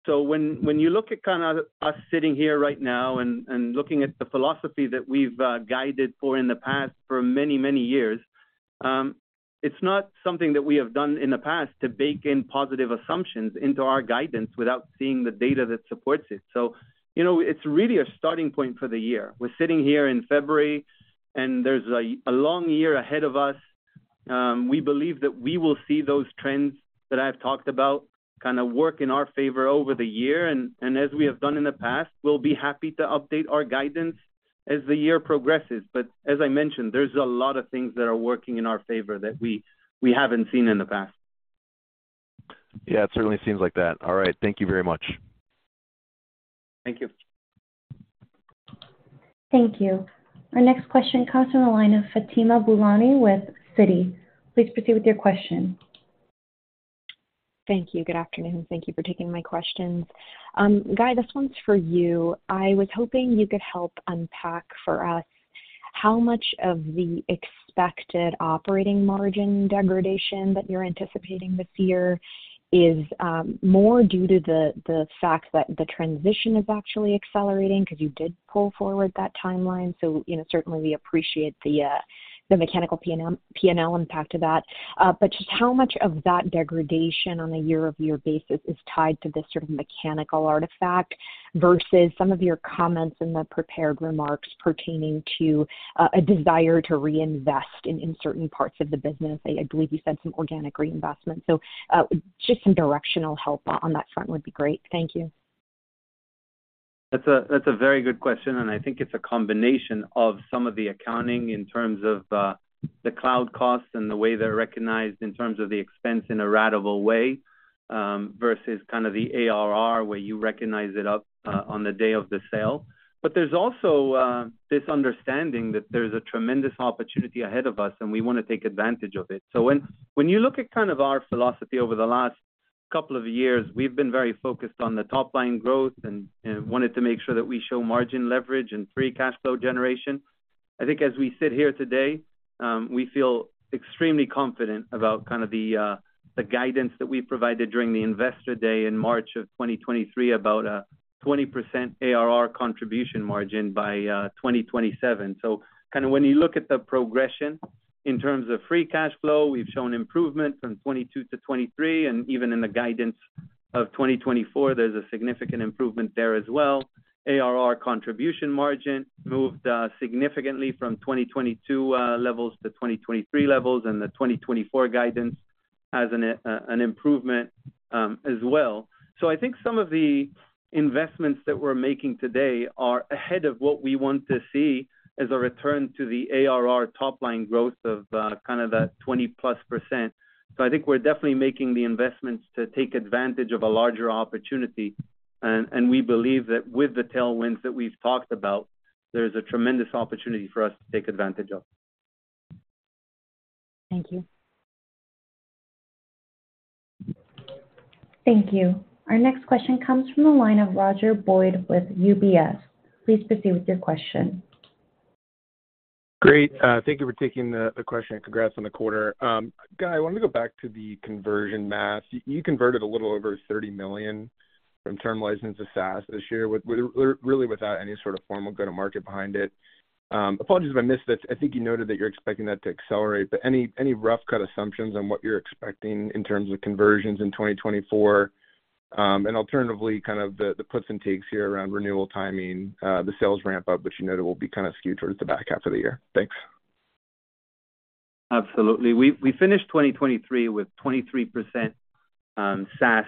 So when you look at kind of us sitting here right now and looking at the philosophy that we've guided for in the past for many, many years, it's not something that we have done in the past to bake in positive assumptions into our guidance without seeing the data that supports it. So you know, it's really a starting point for the year. We're sitting here in February, and there's a long year ahead of us. We believe that we will see those trends that I've talked about, kinda work in our favor over the year. And as we have done in the past, we'll be happy to update our guidance as the year progresses. But as I mentioned, there's a lot of things that are working in our favor that we haven't seen in the past. Yeah, it certainly seems like that. All right. Thank you very much. Thank you. Thank you. Our next question comes from the line of Fatima Boolani with Citi. Please proceed with your question. Thank you. Good afternoon. Thank you for taking my questions. Guy, this one's for you. I was hoping you could help unpack for us how much of the expected operating margin degradation that you're anticipating this year is, more due to the, the fact that the transition is actually accelerating, 'cause you did pull forward that timeline. So, you know, certainly we appreciate the, the mechanical PNL, PNL impact of that. But just how much of that degradation on a year-over-year basis is tied to this sort of mechanical artifact, versus some of your comments in the prepared remarks pertaining to, a desire to reinvest in, in certain parts of the business? I believe you said some organic reinvestment. So, just some directional help on that front would be great. Thank you. That's a, that's a very good question, and I think it's a combination of some of the accounting in terms of, the cloud costs and the way they're recognized in terms of the expense in a ratable way, versus kind of the ARR, where you recognize it up, on the day of the sale. But there's also, this understanding that there's a tremendous opportunity ahead of us, and we wanna take advantage of it. So when you look at kind of our philosophy over the last couple of years, we've been very focused on the top line growth and wanted to make sure that we show margin leverage and free cash flow generation. I think as we sit here today, we feel extremely confident about kind of the guidance that we provided during the Investor Day in March of 2023, about a 20% ARR contribution margin by 2027. So kinda when you look at the progression in terms of free cash flow, we've shown improvement from 2022 to 2023, and even in the guidance of 2024, there's a significant improvement there as well. ARR contribution margin moved significantly from 2022 levels to 2023 levels, and the 2024 guidance has an improvement as well. So I think some of the investments that we're making today are ahead of what we want to see as a return to the ARR top line growth of kind of that 20%+. I think we're definitely making the investments to take advantage of a larger opportunity, and we believe that with the tailwinds that we've talked about, there's a tremendous opportunity for us to take advantage of. Thank you. Thank you. Our next question comes from the line of Roger Boyd with UBS. Please proceed with your question. Great. Thank you for taking the question, and congrats on the quarter. Guy, I wanted to go back to the conversion math. You converted a little over $30 million from term license to SaaS this year, with really without any sort of formal go-to-market behind it. Apologies if I missed this. I think you noted that you're expecting that to accelerate, but any rough cut assumptions on what you're expecting in terms of conversions in 2024? And alternatively, kind of the puts and takes here around renewal timing, the sales ramp up, which you noted will be kind of skewed towards the back half of the year. Thanks. Absolutely. We finished 2023 with 23% SaaS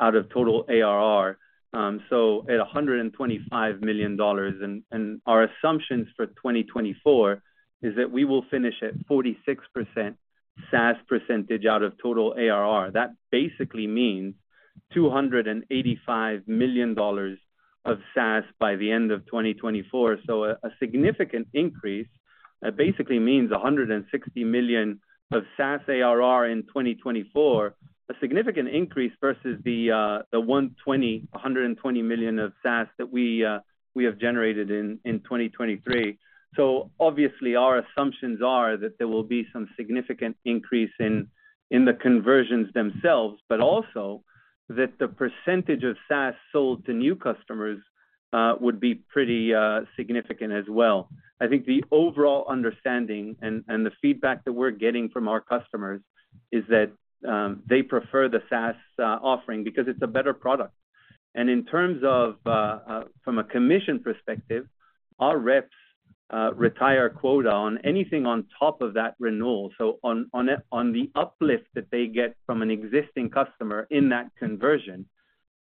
out of total ARR, so at $125 million. And our assumptions for 2024 is that we will finish at 46% SaaS percentage out of total ARR. That basically means $285 million of SaaS by the end of 2024. So a significant increase. That basically means $160 million of SaaS ARR in 2024, a significant increase versus the $120 million of SaaS that we have generated in 2023. So obviously, our assumptions are that there will be some significant increase in the conversions themselves, but also that the percentage of SaaS sold to new customers would be pretty significant as well. I think the overall understanding and the feedback that we're getting from our customers is that they prefer the SaaS offering because it's a better product. And in terms of from a commission perspective, our reps retire quota on anything on top of that renewal. So on the uplift that they get from an existing customer in that conversion,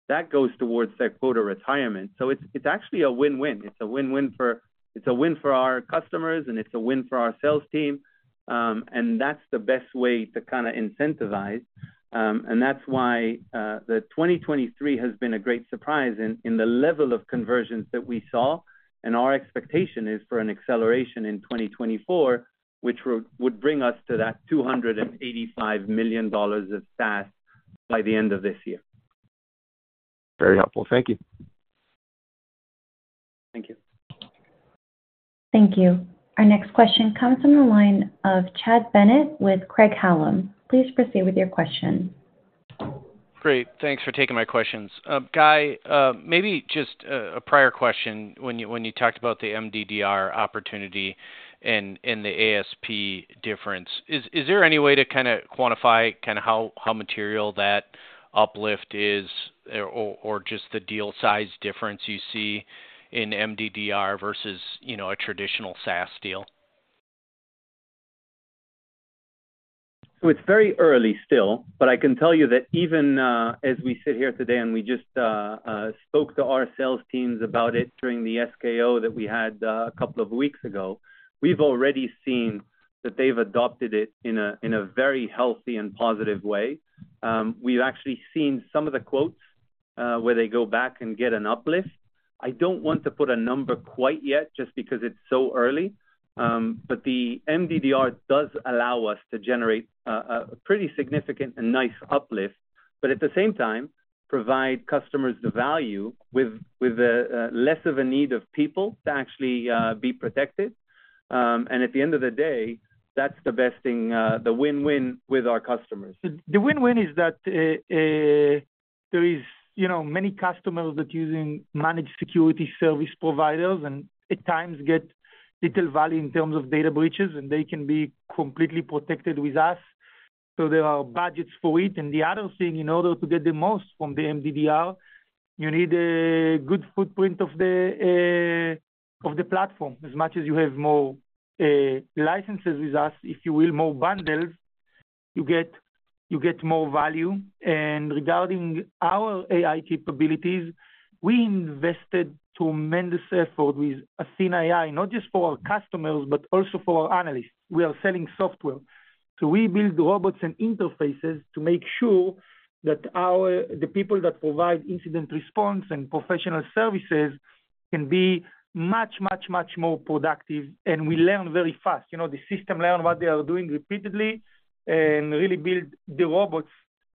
that goes towards their quota retirement. So it's actually a win-win. It's a win-win for—it's a win for our customers, and it's a win for our sales team. And that's the best way to kinda incentivize. That's why, 2023 has been a great surprise in the level of conversions that we saw, and our expectation is for an acceleration in 2024, which would bring us to that $285 million of SaaS by the end of this year. Very helpful. Thank you. Thank you. Thank you. Our next question comes from the line of Chad Bennett with Craig-Hallum. Please proceed with your question. Great, thanks for taking my questions. Guy, maybe just a prior question when you talked about the MDDR opportunity and the ASP difference. Is there any way to kinda quantify kinda how material that uplift is, or just the deal size difference you see in MDDR versus, you know, a traditional SaaS deal? So it's very early still, but I can tell you that even as we sit here today, and we just spoke to our sales teams about it during the SKO that we had a couple of weeks ago, we've already seen that they've adopted it in a very healthy and positive way. We've actually seen some of the quotes where they go back and get an uplift. I don't want to put a number quite yet just because it's so early, but the MDDR does allow us to generate a pretty significant and nice uplift. But at the same time, provide customers the value with less of a need of people to actually be protected. And at the end of the day, that's the best thing, the win-win with our customers. The win-win is that, there is, you know, many customers that using managed security service providers, and at times get little value in terms of data breaches, and they can be completely protected with us, so there are budgets for it. And the other thing, in order to get the most from the MDDR, you need a good footprint of the, of the platform. As much as you have more, licenses with us, if you will, more bundles, you get, you get more value. And regarding our AI capabilities, we invested tremendous effort with Athena AI, not just for our customers, but also for our analysts. We are selling software. So we build robots and interfaces to make sure that the people that provide incident response and professional services can be much, much, much more productive, and we learn very fast. You know, the system learn what they are doing repeatedly and really build the robots,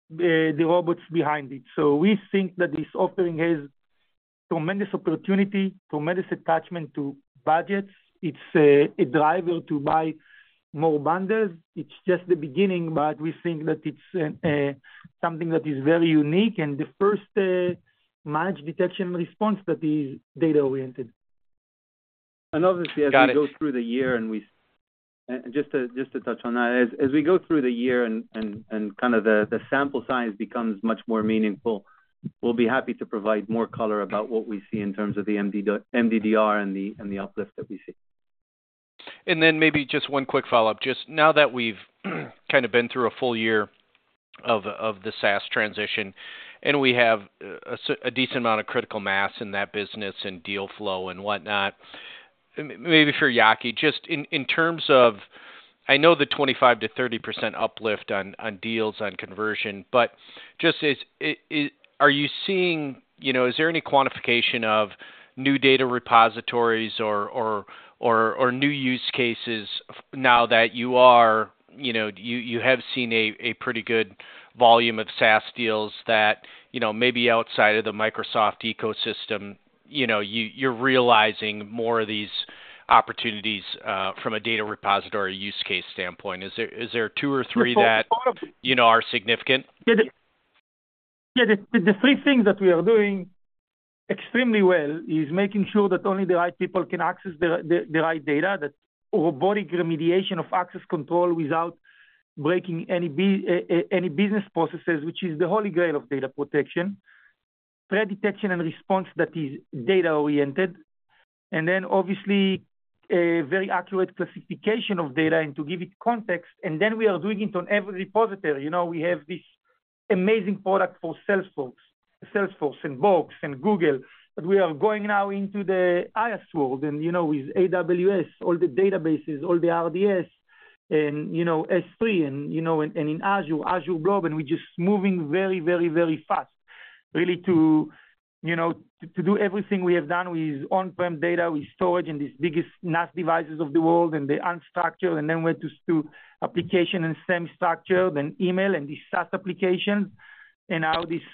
the robots behind it. So we think that this offering has tremendous opportunity, tremendous attachment to budgets. It's a, a driver to buy more bundles. It's just the beginning, but we think that it's something that is very unique, and the first managed detection response that is data-oriented. Got it. Obviously, as we go through the year. Just to touch on that. As we go through the year and kinda the sample size becomes much more meaningful, we'll be happy to provide more color about what we see in terms of the MDDR and the uplift that we see. And then maybe just one quick follow-up. Just now that we've kind of been through a full year of the SaaS transition, and we have a decent amount of critical mass in that business and deal flow and whatnot, maybe for Yaki, just in terms of... I know the 25%-30% uplift on deals on conversion, but just are you seeing, you know, is there any quantification of new data repositories or new use cases now that you are, you know, you have seen a pretty good volume of SaaS deals that, you know, maybe outside of the Microsoft ecosystem, you know, you're realizing more of these opportunities from a data repository use case standpoint? Is there two or three that, you know, are significant? Yeah, the three things that we are doing extremely well is making sure that only the right people can access the right data, that robotic remediation of access control without breaking any business processes, which is the holy grail of data protection. Threat detection and response that is data-oriented, and then obviously, a very accurate classification of data and to give it context, and then we are doing it on every repository. You know, we have this amazing product for Salesforce, Salesforce and Box and Google, but we are going now into the IaaS world and, you know, with AWS, all the databases, all the RDS, and, you know, S3 and, you know, and, and in Azure, Azure Blob, and we're just moving very, very, very fast, really to, you know, to, to do everything we have done with on-prem data, with storage, and these biggest NAS devices of the world and the unstructured, and then went to, to application and semi-structured, then email and the SaaS applications.... and now this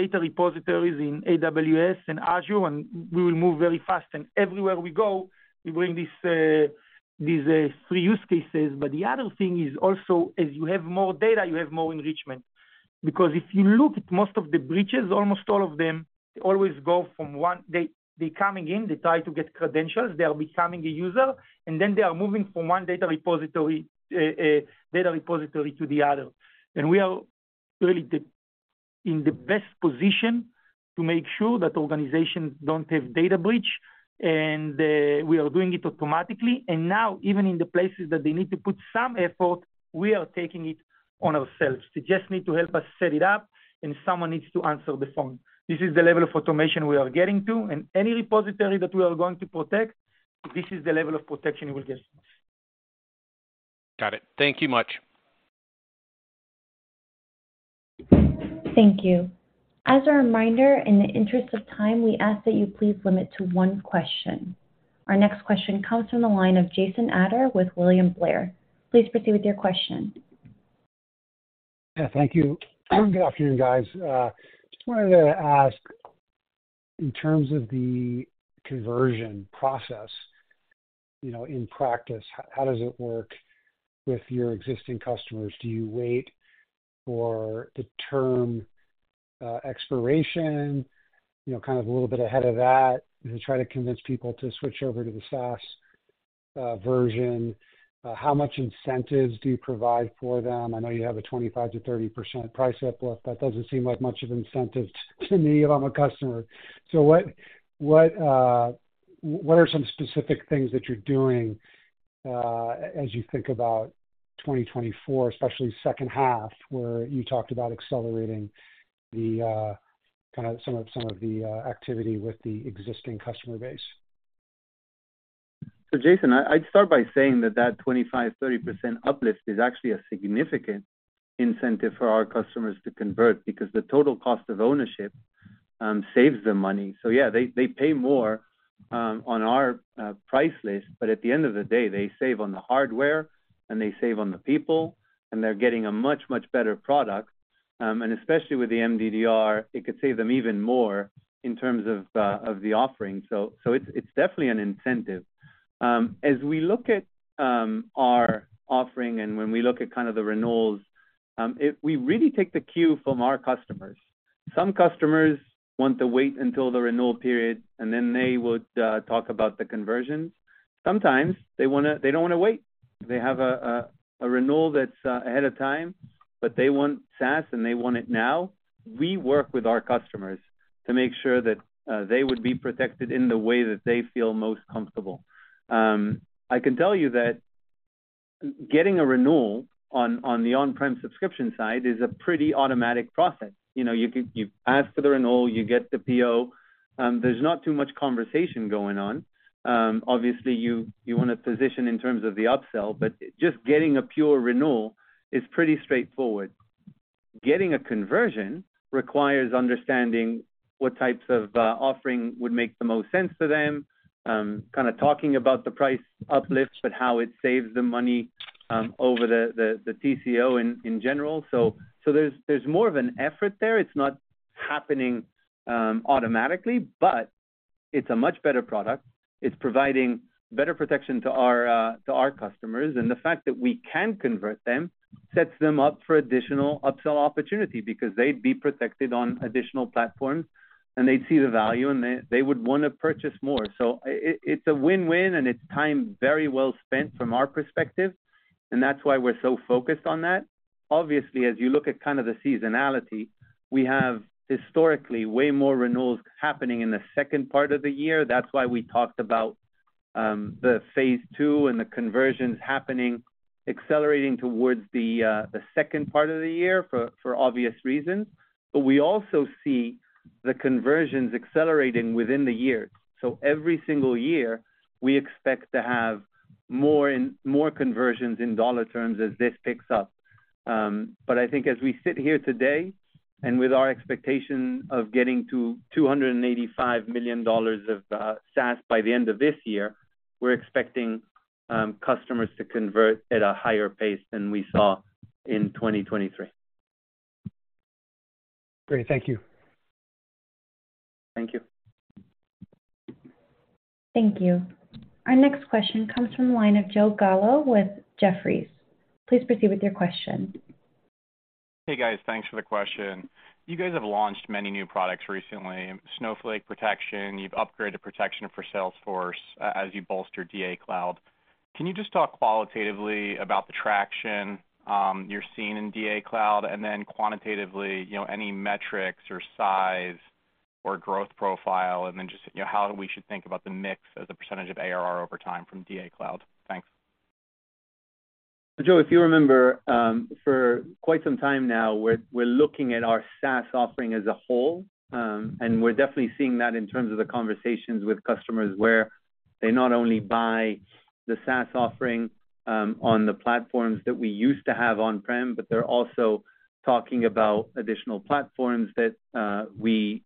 data repositories in AWS and Azure, and we will move very fast. Everywhere we go, we bring these three use cases. But the other thing is also, as you have more data, you have more enrichment. Because if you look at most of the breaches, almost all of them always go from one. They coming in, they try to get credentials, they are becoming a user, and then they are moving from one data repository to the other. And we are really in the best position to make sure that organizations don't have data breach, and we are doing it automatically. And now, even in the places that they need to put some effort, we are taking it on ourselves. They just need to help us set it up, and someone needs to answer the phone. This is the level of automation we are getting to, and any repository that we are going to protect, this is the level of protection you will get. Got it. Thank you much. Thank you. As a reminder, in the interest of time, we ask that you please limit to one question. Our next question comes from the line of Jason Ader with William Blair. Please proceed with your question. Yeah, thank you. Good afternoon, guys. Just wanted to ask, in terms of the conversion process, you know, in practice, how does it work with your existing customers? Do you wait for the term expiration? You know, kind of a little bit ahead of that, to try to convince people to switch over to the SaaS version. How much incentives do you provide for them? I know you have a 25%-30% price uplift. That doesn't seem like much of an incentive to me if I'm a customer. So what are some specific things that you're doing, as you think about 2024, especially second half, where you talked about accelerating the kind of some of the activity with the existing customer base? So, Jason, I'd start by saying that that 25-30% uplift is actually a significant incentive for our customers to convert because the total cost of ownership saves them money. So yeah, they pay more on our price list, but at the end of the day, they save on the hardware, and they save on the people, and they're getting a much, much better product. And especially with the MDDR, it could save them even more in terms of the offering. So it's definitely an incentive. As we look at our offering and when we look at kind of the renewals, we really take the cue from our customers. Some customers want to wait until the renewal period, and then they would talk about the conversions. Sometimes they don't wanna wait. They have a renewal that's ahead of time, but they want SaaS, and they want it now. We work with our customers to make sure that they would be protected in the way that they feel most comfortable. I can tell you that getting a renewal on the on-prem subscription side is a pretty automatic process. You know, you can, you ask for the renewal, you get the PO, there's not too much conversation going on. Obviously, you want to position in terms of the upsell, but just getting a pure renewal is pretty straightforward. Getting a conversion requires understanding what types of offering would make the most sense to them, kind of talking about the price uplifts, but how it saves them money, over the TCO in general. So there's more of an effort there. It's not happening automatically, but it's a much better product. It's providing better protection to our customers, and the fact that we can convert them sets them up for additional upsell opportunity because they'd be protected on additional platforms, and they'd see the value, and they would want to purchase more. So it's a win-win, and it's time very well spent from our perspective, and that's why we're so focused on that. Obviously, as you look at kind of the seasonality, we have historically way more renewals happening in the second part of the year. That's why we talked about the phase two and the conversions happening, accelerating towards the second part of the year for obvious reasons. But we also see the conversions accelerating within the year. So every single year, we expect to have more and more conversions in dollar terms as this picks up. But I think as we sit here today, and with our expectation of getting to $285 million of SaaS by the end of this year, we're expecting customers to convert at a higher pace than we saw in 2023. Great. Thank you. Thank you. Thank you. Our next question comes from the line of Joe Gallo with Jefferies. Please proceed with your question. Hey, guys. Thanks for the question. You guys have launched many new products recently, Snowflake Protection, you've upgraded protection for Salesforce as you bolster DA Cloud. Can you just talk qualitatively about the traction you're seeing in DA Cloud? And then quantitatively, you know, any metrics or size or growth profile, and then just, you know, how we should think about the mix as a percentage of ARR over time from DA Cloud? Thanks. So, Joe, if you remember, for quite some time now, we're looking at our SaaS offering as a whole. And we're definitely seeing that in terms of the conversations with customers, where they not only buy the SaaS offering on the platforms that we used to have on-prem, but they're also talking about additional platforms that we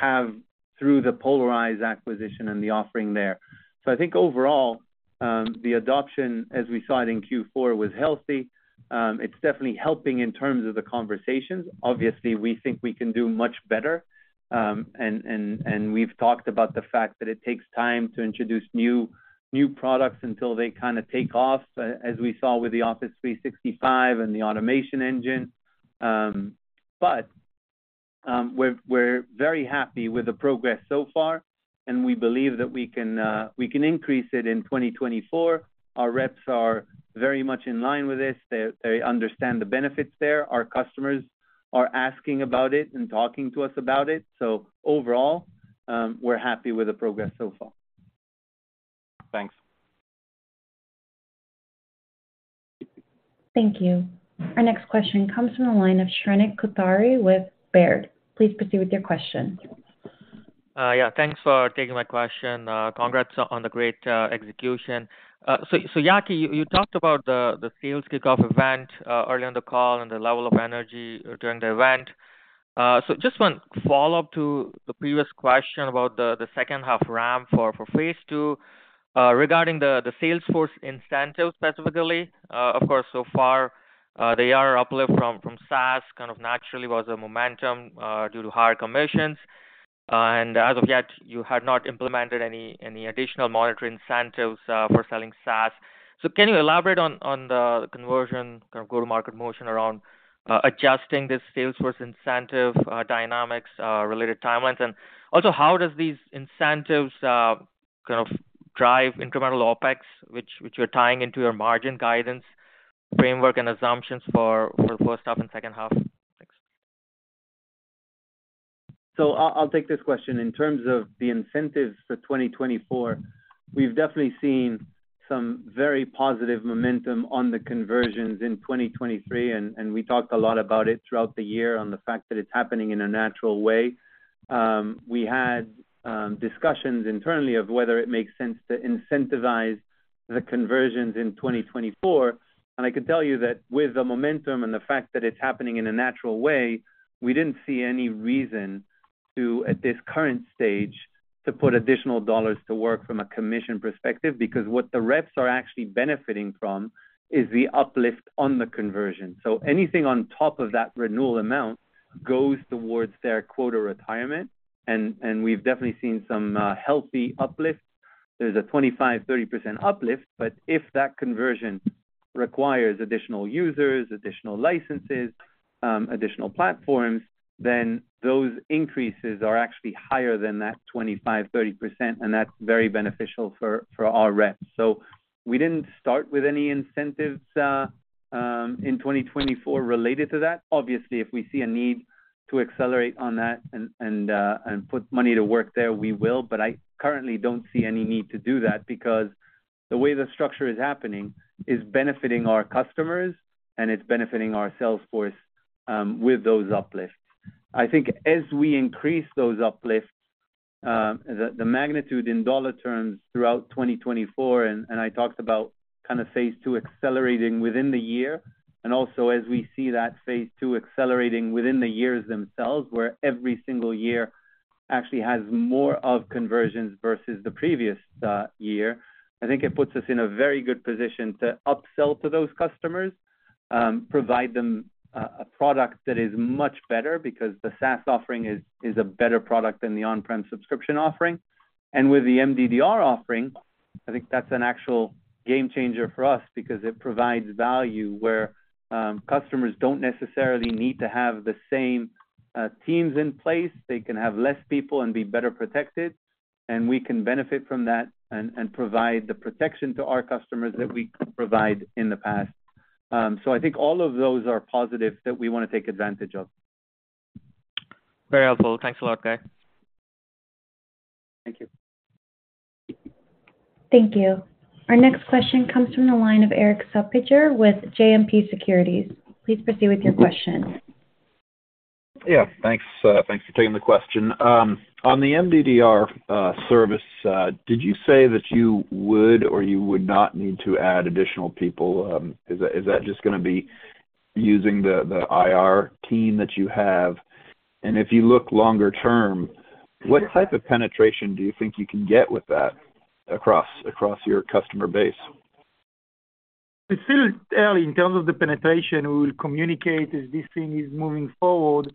have through the Polyrize acquisition and the offering there. So I think overall, the adoption, as we saw it in Q4, was healthy. It's definitely helping in terms of the conversations. Obviously, we think we can do much better, and we've talked about the fact that it takes time to introduce new products until they kinda take off, as we saw with the Office 365 and the automation engine. But we're very happy with the progress so far, and we believe that we can increase it in 2024. Our reps are very much in line with this. They understand the benefits there. Our customers are asking about it and talking to us about it. So overall, we're happy with the progress so far. Thanks. Thank you. Our next question comes from the line of Shrenik Kothari with Baird. Please proceed with your question. Yeah, thanks for taking my question. Congrats on the great execution. So, Yaki, you talked about the sales kickoff event early on the call and the level of energy during the event. So just one follow-up to the previous question about the second half ramp for phase two. Regarding the sales force incentive specifically, of course, so far, they are uplift from SaaS, kind of naturally was a momentum due to higher commissions. And as of yet, you had not implemented any additional monitoring incentives for selling SaaS. So can you elaborate on the conversion, kind of, go-to-market motion around adjusting this sales force incentive dynamics related timelines? Also, how does these incentives kind of drive incremental OpEx, which you're tying into your margin guidance framework and assumptions for first half and second half? Thanks. So I'll take this question. In terms of the incentives for 2024, we've definitely seen some very positive momentum on the conversions in 2023, and we talked a lot about it throughout the year on the fact that it's happening in a natural way. We had discussions internally of whether it makes sense to incentivize the conversions in 2024, and I can tell you that with the momentum and the fact that it's happening in a natural way, we didn't see any reason to, at this current stage, to put additional dollars to work from a commission perspective, because what the reps are actually benefiting from is the uplift on the conversion. So anything on top of that renewal amount goes towards their quota retirement, and we've definitely seen some healthy uplifts. There's a 25%-30% uplift, but if that conversion requires additional users, additional licenses, additional platforms, then those increases are actually higher than that 25%-30%, and that's very beneficial for, for our reps. So we didn't start with any incentives in 2024 related to that. Obviously, if we see a need to accelerate on that and put money to work there, we will. But I currently don't see any need to do that because the way the structure is happening is benefiting our customers, and it's benefiting our sales force with those uplifts. I think as we increase those uplifts, the magnitude in dollar terms throughout 2024, and I talked about kind of phase two accelerating within the year, and also as we see that phase two accelerating within the years themselves, where every single year actually has more of conversions versus the previous year, I think it puts us in a very good position to upsell to those customers, provide them a product that is much better because the SaaS offering is a better product than the on-prem subscription offering. With the MDDR offering, I think that's an actual game changer for us because it provides value where customers don't necessarily need to have the same teams in place. They can have less people and be better protected, and we can benefit from that and provide the protection to our customers that we couldn't provide in the past. So I think all of those are positives that we wanna take advantage of. Very helpful. Thanks a lot, Guy. Thank you. Thank you. Our next question comes from the line of Erik Suppiger with JMP Securities. Please proceed with your question. Yeah, thanks, thanks for taking the question. On the MDDR service, did you say that you would or you would not need to add additional people? Is that just gonna be using the IR team that you have? And if you look longer term, what type of penetration do you think you can get with that across your customer base? It's still early in terms of the penetration. We will communicate as this thing is moving forward.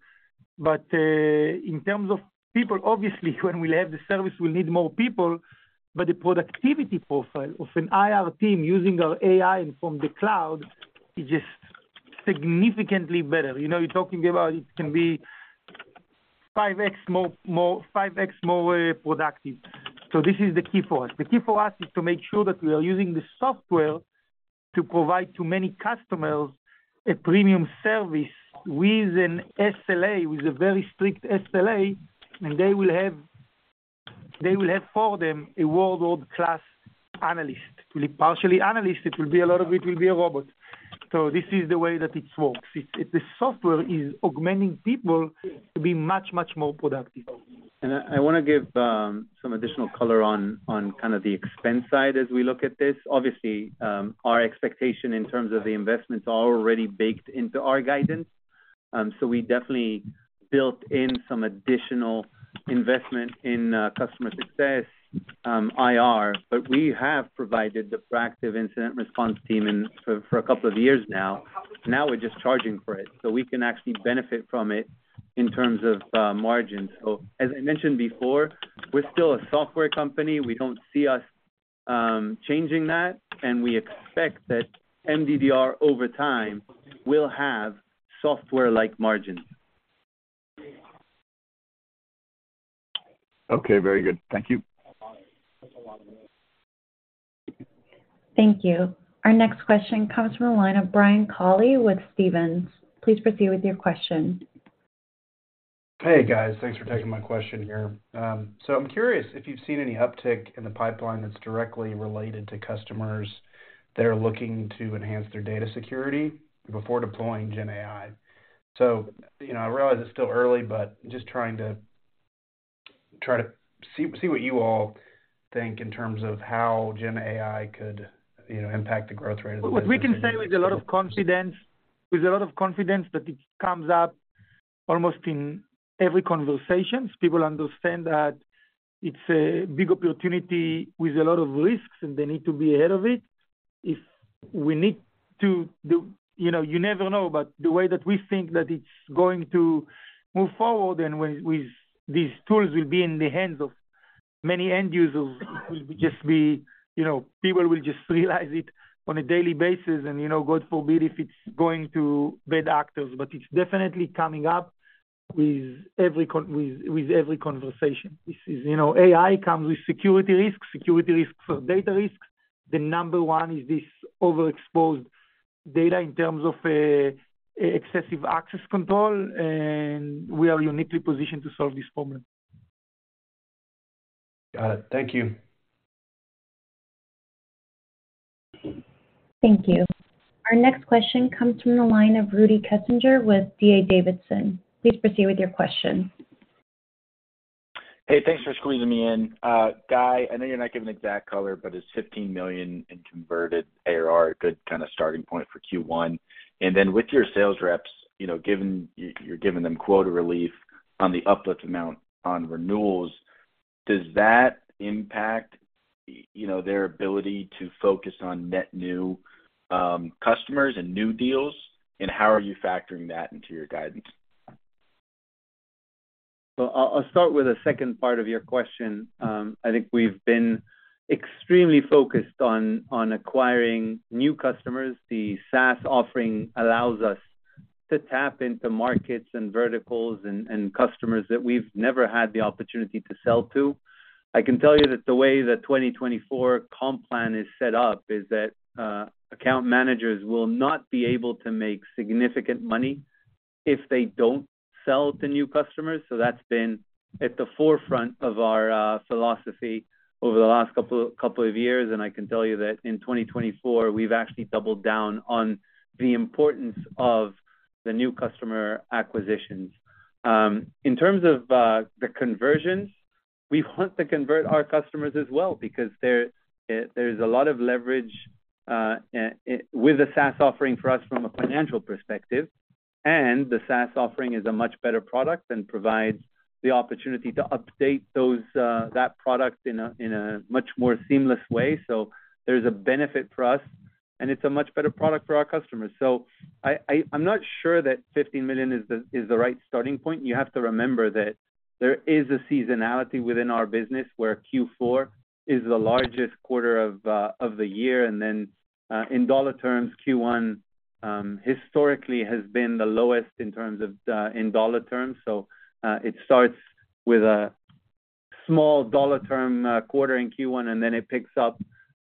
But in terms of people, obviously, when we'll have the service, we'll need more people, but the productivity profile of an IR team using our AI and from the cloud is just significantly better. You know, you're talking about it can be 5x more productive. So this is the key for us. The key for us is to make sure that we are using the software to provide to many customers a premium service with an SLA, with a very strict SLA, and they will have for them a world-class analyst. It will be partially analyst, a lot of it will be a robot. So this is the way that it works. The software is augmenting people to be much, much more productive. And I wanna give some additional color on kind of the expense side as we look at this. Obviously, our expectation in terms of the investments are already baked into our guidance. So we definitely built in some additional investment in customer success, IR, but we have provided the proactive incident response team and for a couple of years now. Now we're just charging for it, so we can actually benefit from it in terms of margins. So as I mentioned before, we're still a software company. We don't see us changing that, and we expect that MDDR, over time, will have software-like margins. Okay, very good. Thank you. Thank you. Our next question comes from the line of Brian Colley with Stephens. Please proceed with your question. Hey, guys. Thanks for taking my question here. So, I'm curious if you've seen any uptick in the pipeline that's directly related to customers that are looking to enhance their data security before deploying GenAI. So, you know, I realize it's still early, but just trying to see what you all think in terms of how GenAI could, you know, impact the growth rate of the- What we can say with a lot of confidence, with a lot of confidence, that it comes up almost in every conversation. People understand that it's a big opportunity with a lot of risks, and they need to be ahead of it. If we need to do... You know, you never know, but the way that we think that it's going to move forward and when with these tools will be in the hands of many end users, will just be, you know, people will just realize it on a daily basis, and, you know, God forbid, if it's going to bad actors. But it's definitely coming up with every conversation. This is, you know, AI comes with security risks, security risks or data risks. The number one is this overexposed data in terms of excessive access control, and we are uniquely positioned to solve this problem. Got it. Thank you. Thank you. Our next question comes from the line of Rudy Kessinger with D.A. Davidson. Please proceed with your question. Hey, thanks for squeezing me in. Guy, I know you're not giving exact color, but is $15 million in converted ARR a good kind of starting point for Q1? And then, with your sales reps, you know, given—you're giving them quota relief on the uplift amount on renewals, does that impact, you know, their ability to focus on net new customers and new deals? And how are you factoring that into your guidance? So I'll start with the second part of your question. I think we've been extremely focused on acquiring new customers. The SaaS offering allows us to tap into markets and verticals and customers that we've never had the opportunity to sell to. I can tell you that the way the 2024 comp plan is set up is that account managers will not be able to make significant money if they don't sell to new customers. So that's been at the forefront of our philosophy over the last couple of years, and I can tell you that in 2024, we've actually doubled down on the importance of the new customer acquisitions. In terms of the conversions, we want to convert our customers as well, because there there's a lot of leverage with the SaaS offering for us from a financial perspective, and the SaaS offering is a much better product and provides the opportunity to update those that product in a much more seamless way. So there's a benefit for us, and it's a much better product for our customers. So I'm not sure that $15 million is the right starting point. You have to remember that there is a seasonality within our business, where Q4 is the largest quarter of the year, and then in dollar terms, Q1 historically has been the lowest in terms of in dollar terms. So, it starts with a small dollar term quarter in Q1, and then it picks up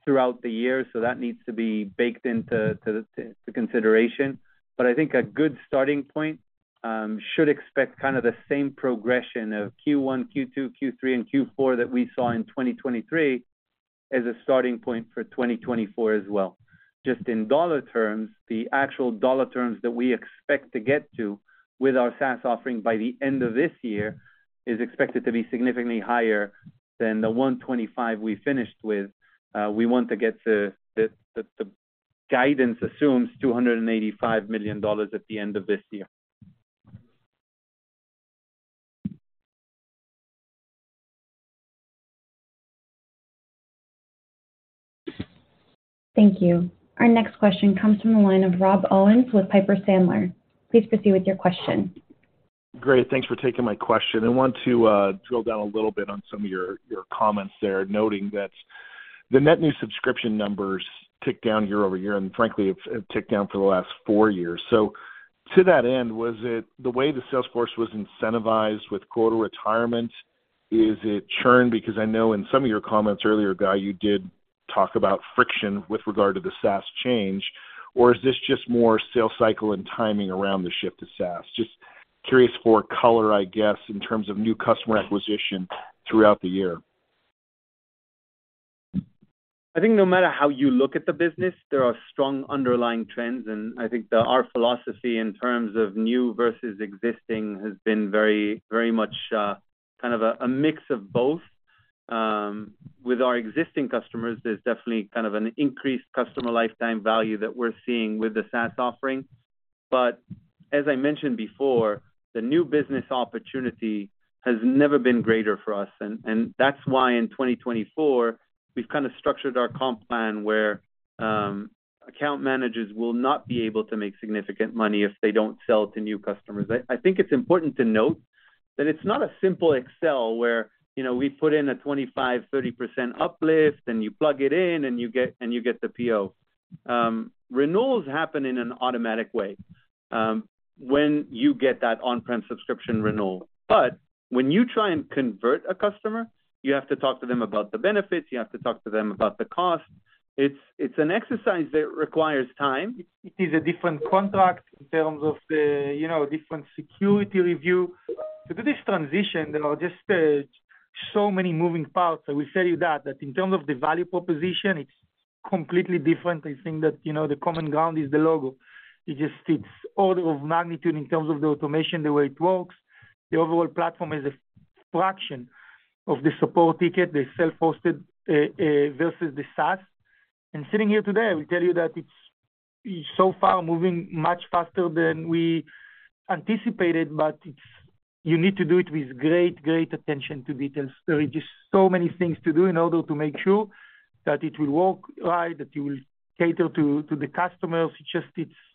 throughout the year. So that needs to be baked into consideration. But I think a good starting point should expect kind of the same progression of Q1, Q2, Q3, and Q4 that we saw in 2023 as a starting point for 2024 as well. Just in dollar terms, the actual dollar terms that we expect to get to with our SaaS offering by the end of this year is expected to be significantly higher than the $125 million we finished with. We want to get to the guidance assumes $285 million at the end of this year. Thank you. Our next question comes from the line of Rob Owens with Piper Sandler. Please proceed with your question. Great. Thanks for taking my question. I want to drill down a little bit on some of your comments there, noting that the net new subscription numbers ticked down year-over-year, and frankly, it's ticked down for the last four years. So to that end, was it the way the sales force was incentivized with quota retirement? Is it churn? Because I know in some of your comments earlier, Guy, you did talk about friction with regard to the SaaS change, or is this just more sales cycle and timing around the shift to SaaS? Just curious for color, I guess, in terms of new customer acquisition throughout the year. I think no matter how you look at the business, there are strong underlying trends, and I think that our philosophy in terms of new versus existing has been very, very much kind of a mix of both. With our existing customers, there's definitely kind of an increased customer lifetime value that we're seeing with the SaaS offering. But as I mentioned before, the new business opportunity has never been greater for us, and that's why in 2024, we've kind of structured our comp plan where account managers will not be able to make significant money if they don't sell to new customers. I think it's important to note that it's not a simple Excel where, you know, we put in a 25-30% uplift, and you plug it in, and you get the PO. Renewals happen in an automatic way, when you get that on-prem subscription renewal. But when you try and convert a customer, you have to talk to them about the benefits, you have to talk to them about the cost. It's an exercise that requires time. It is a different contract in terms of the, you know, different security review. To do this transition, you know, just, so many moving parts, I will tell you that in terms of the value proposition, it's completely different. I think that, you know, the common ground is the logo. It just, it's order of magnitude in terms of the automation, the way it works. The overall platform is a fraction of the support ticket, the self-hosted, versus the SaaS. And sitting here today, I will tell you that it's so far moving much faster than we anticipated, but it's, you need to do it with great, great attention to details. There are just so many things to do in order to make sure that it will work right, that you will cater to the customers. It's just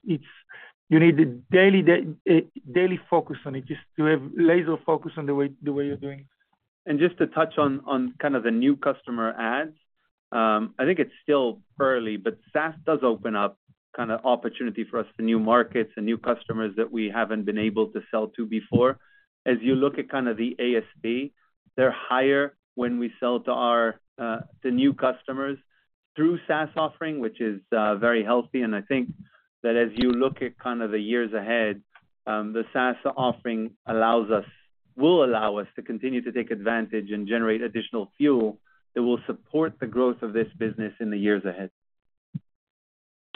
you need a daily focus on it, just to have laser focus on the way you're doing it. Just to touch on kind of the new customer adds, I think it's still early, but SaaS does open up kind of opportunity for us to new markets and new customers that we haven't been able to sell to before. As you look at kind of the ASP, they're higher when we sell to our, to new customers through SaaS offering, which is very healthy. I think that as you look at kind of the years ahead, the SaaS offering allows us, will allow us to continue to take advantage and generate additional fuel that will support the growth of this business in the years ahead.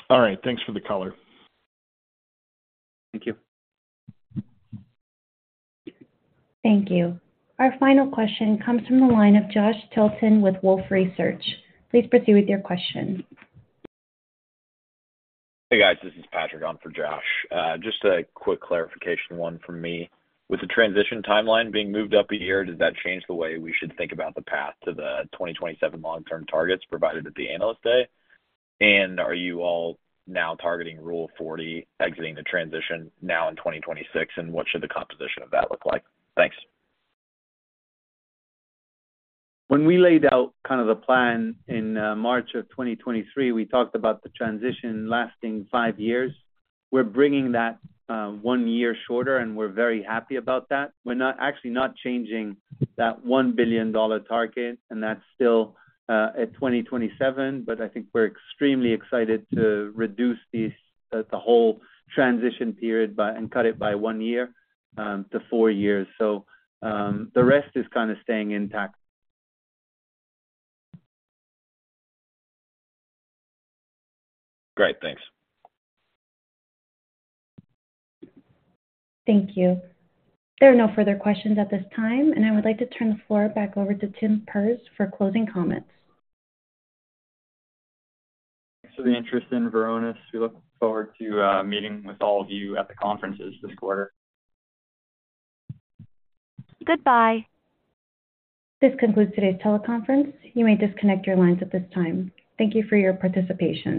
All right. Thanks for the color. Thank you. Thank you. Our final question comes from the line of Josh Tilton with Wolfe Research. Please proceed with your question. Hey, guys, this is Patrick on for Josh. Just a quick clarification, one from me. With the transition timeline being moved up a year, does that change the way we should think about the path to the 2027 long-term targets provided at the Analyst Day? And are you all now targeting Rule 40, exiting the transition now in 2026, and what should the composition of that look like? Thanks. When we laid out kind of the plan in March of 2023, we talked about the transition lasting five years. We're bringing that one year shorter, and we're very happy about that. We're not, actually not changing that $1 billion target, and that's still at 2027, but I think we're extremely excited to reduce these the whole transition period by, and cut it by one year to four years. So the rest is kind of staying intact. Great. Thanks. Thank you. There are no further questions at this time, and I would like to turn the floor back over to Tim Perz for closing comments. Thanks for the interest in Varonis. We look forward to meeting with all of you at the conferences this quarter. Goodbye. This concludes today's teleconference. You may disconnect your lines at this time. Thank you for your participation.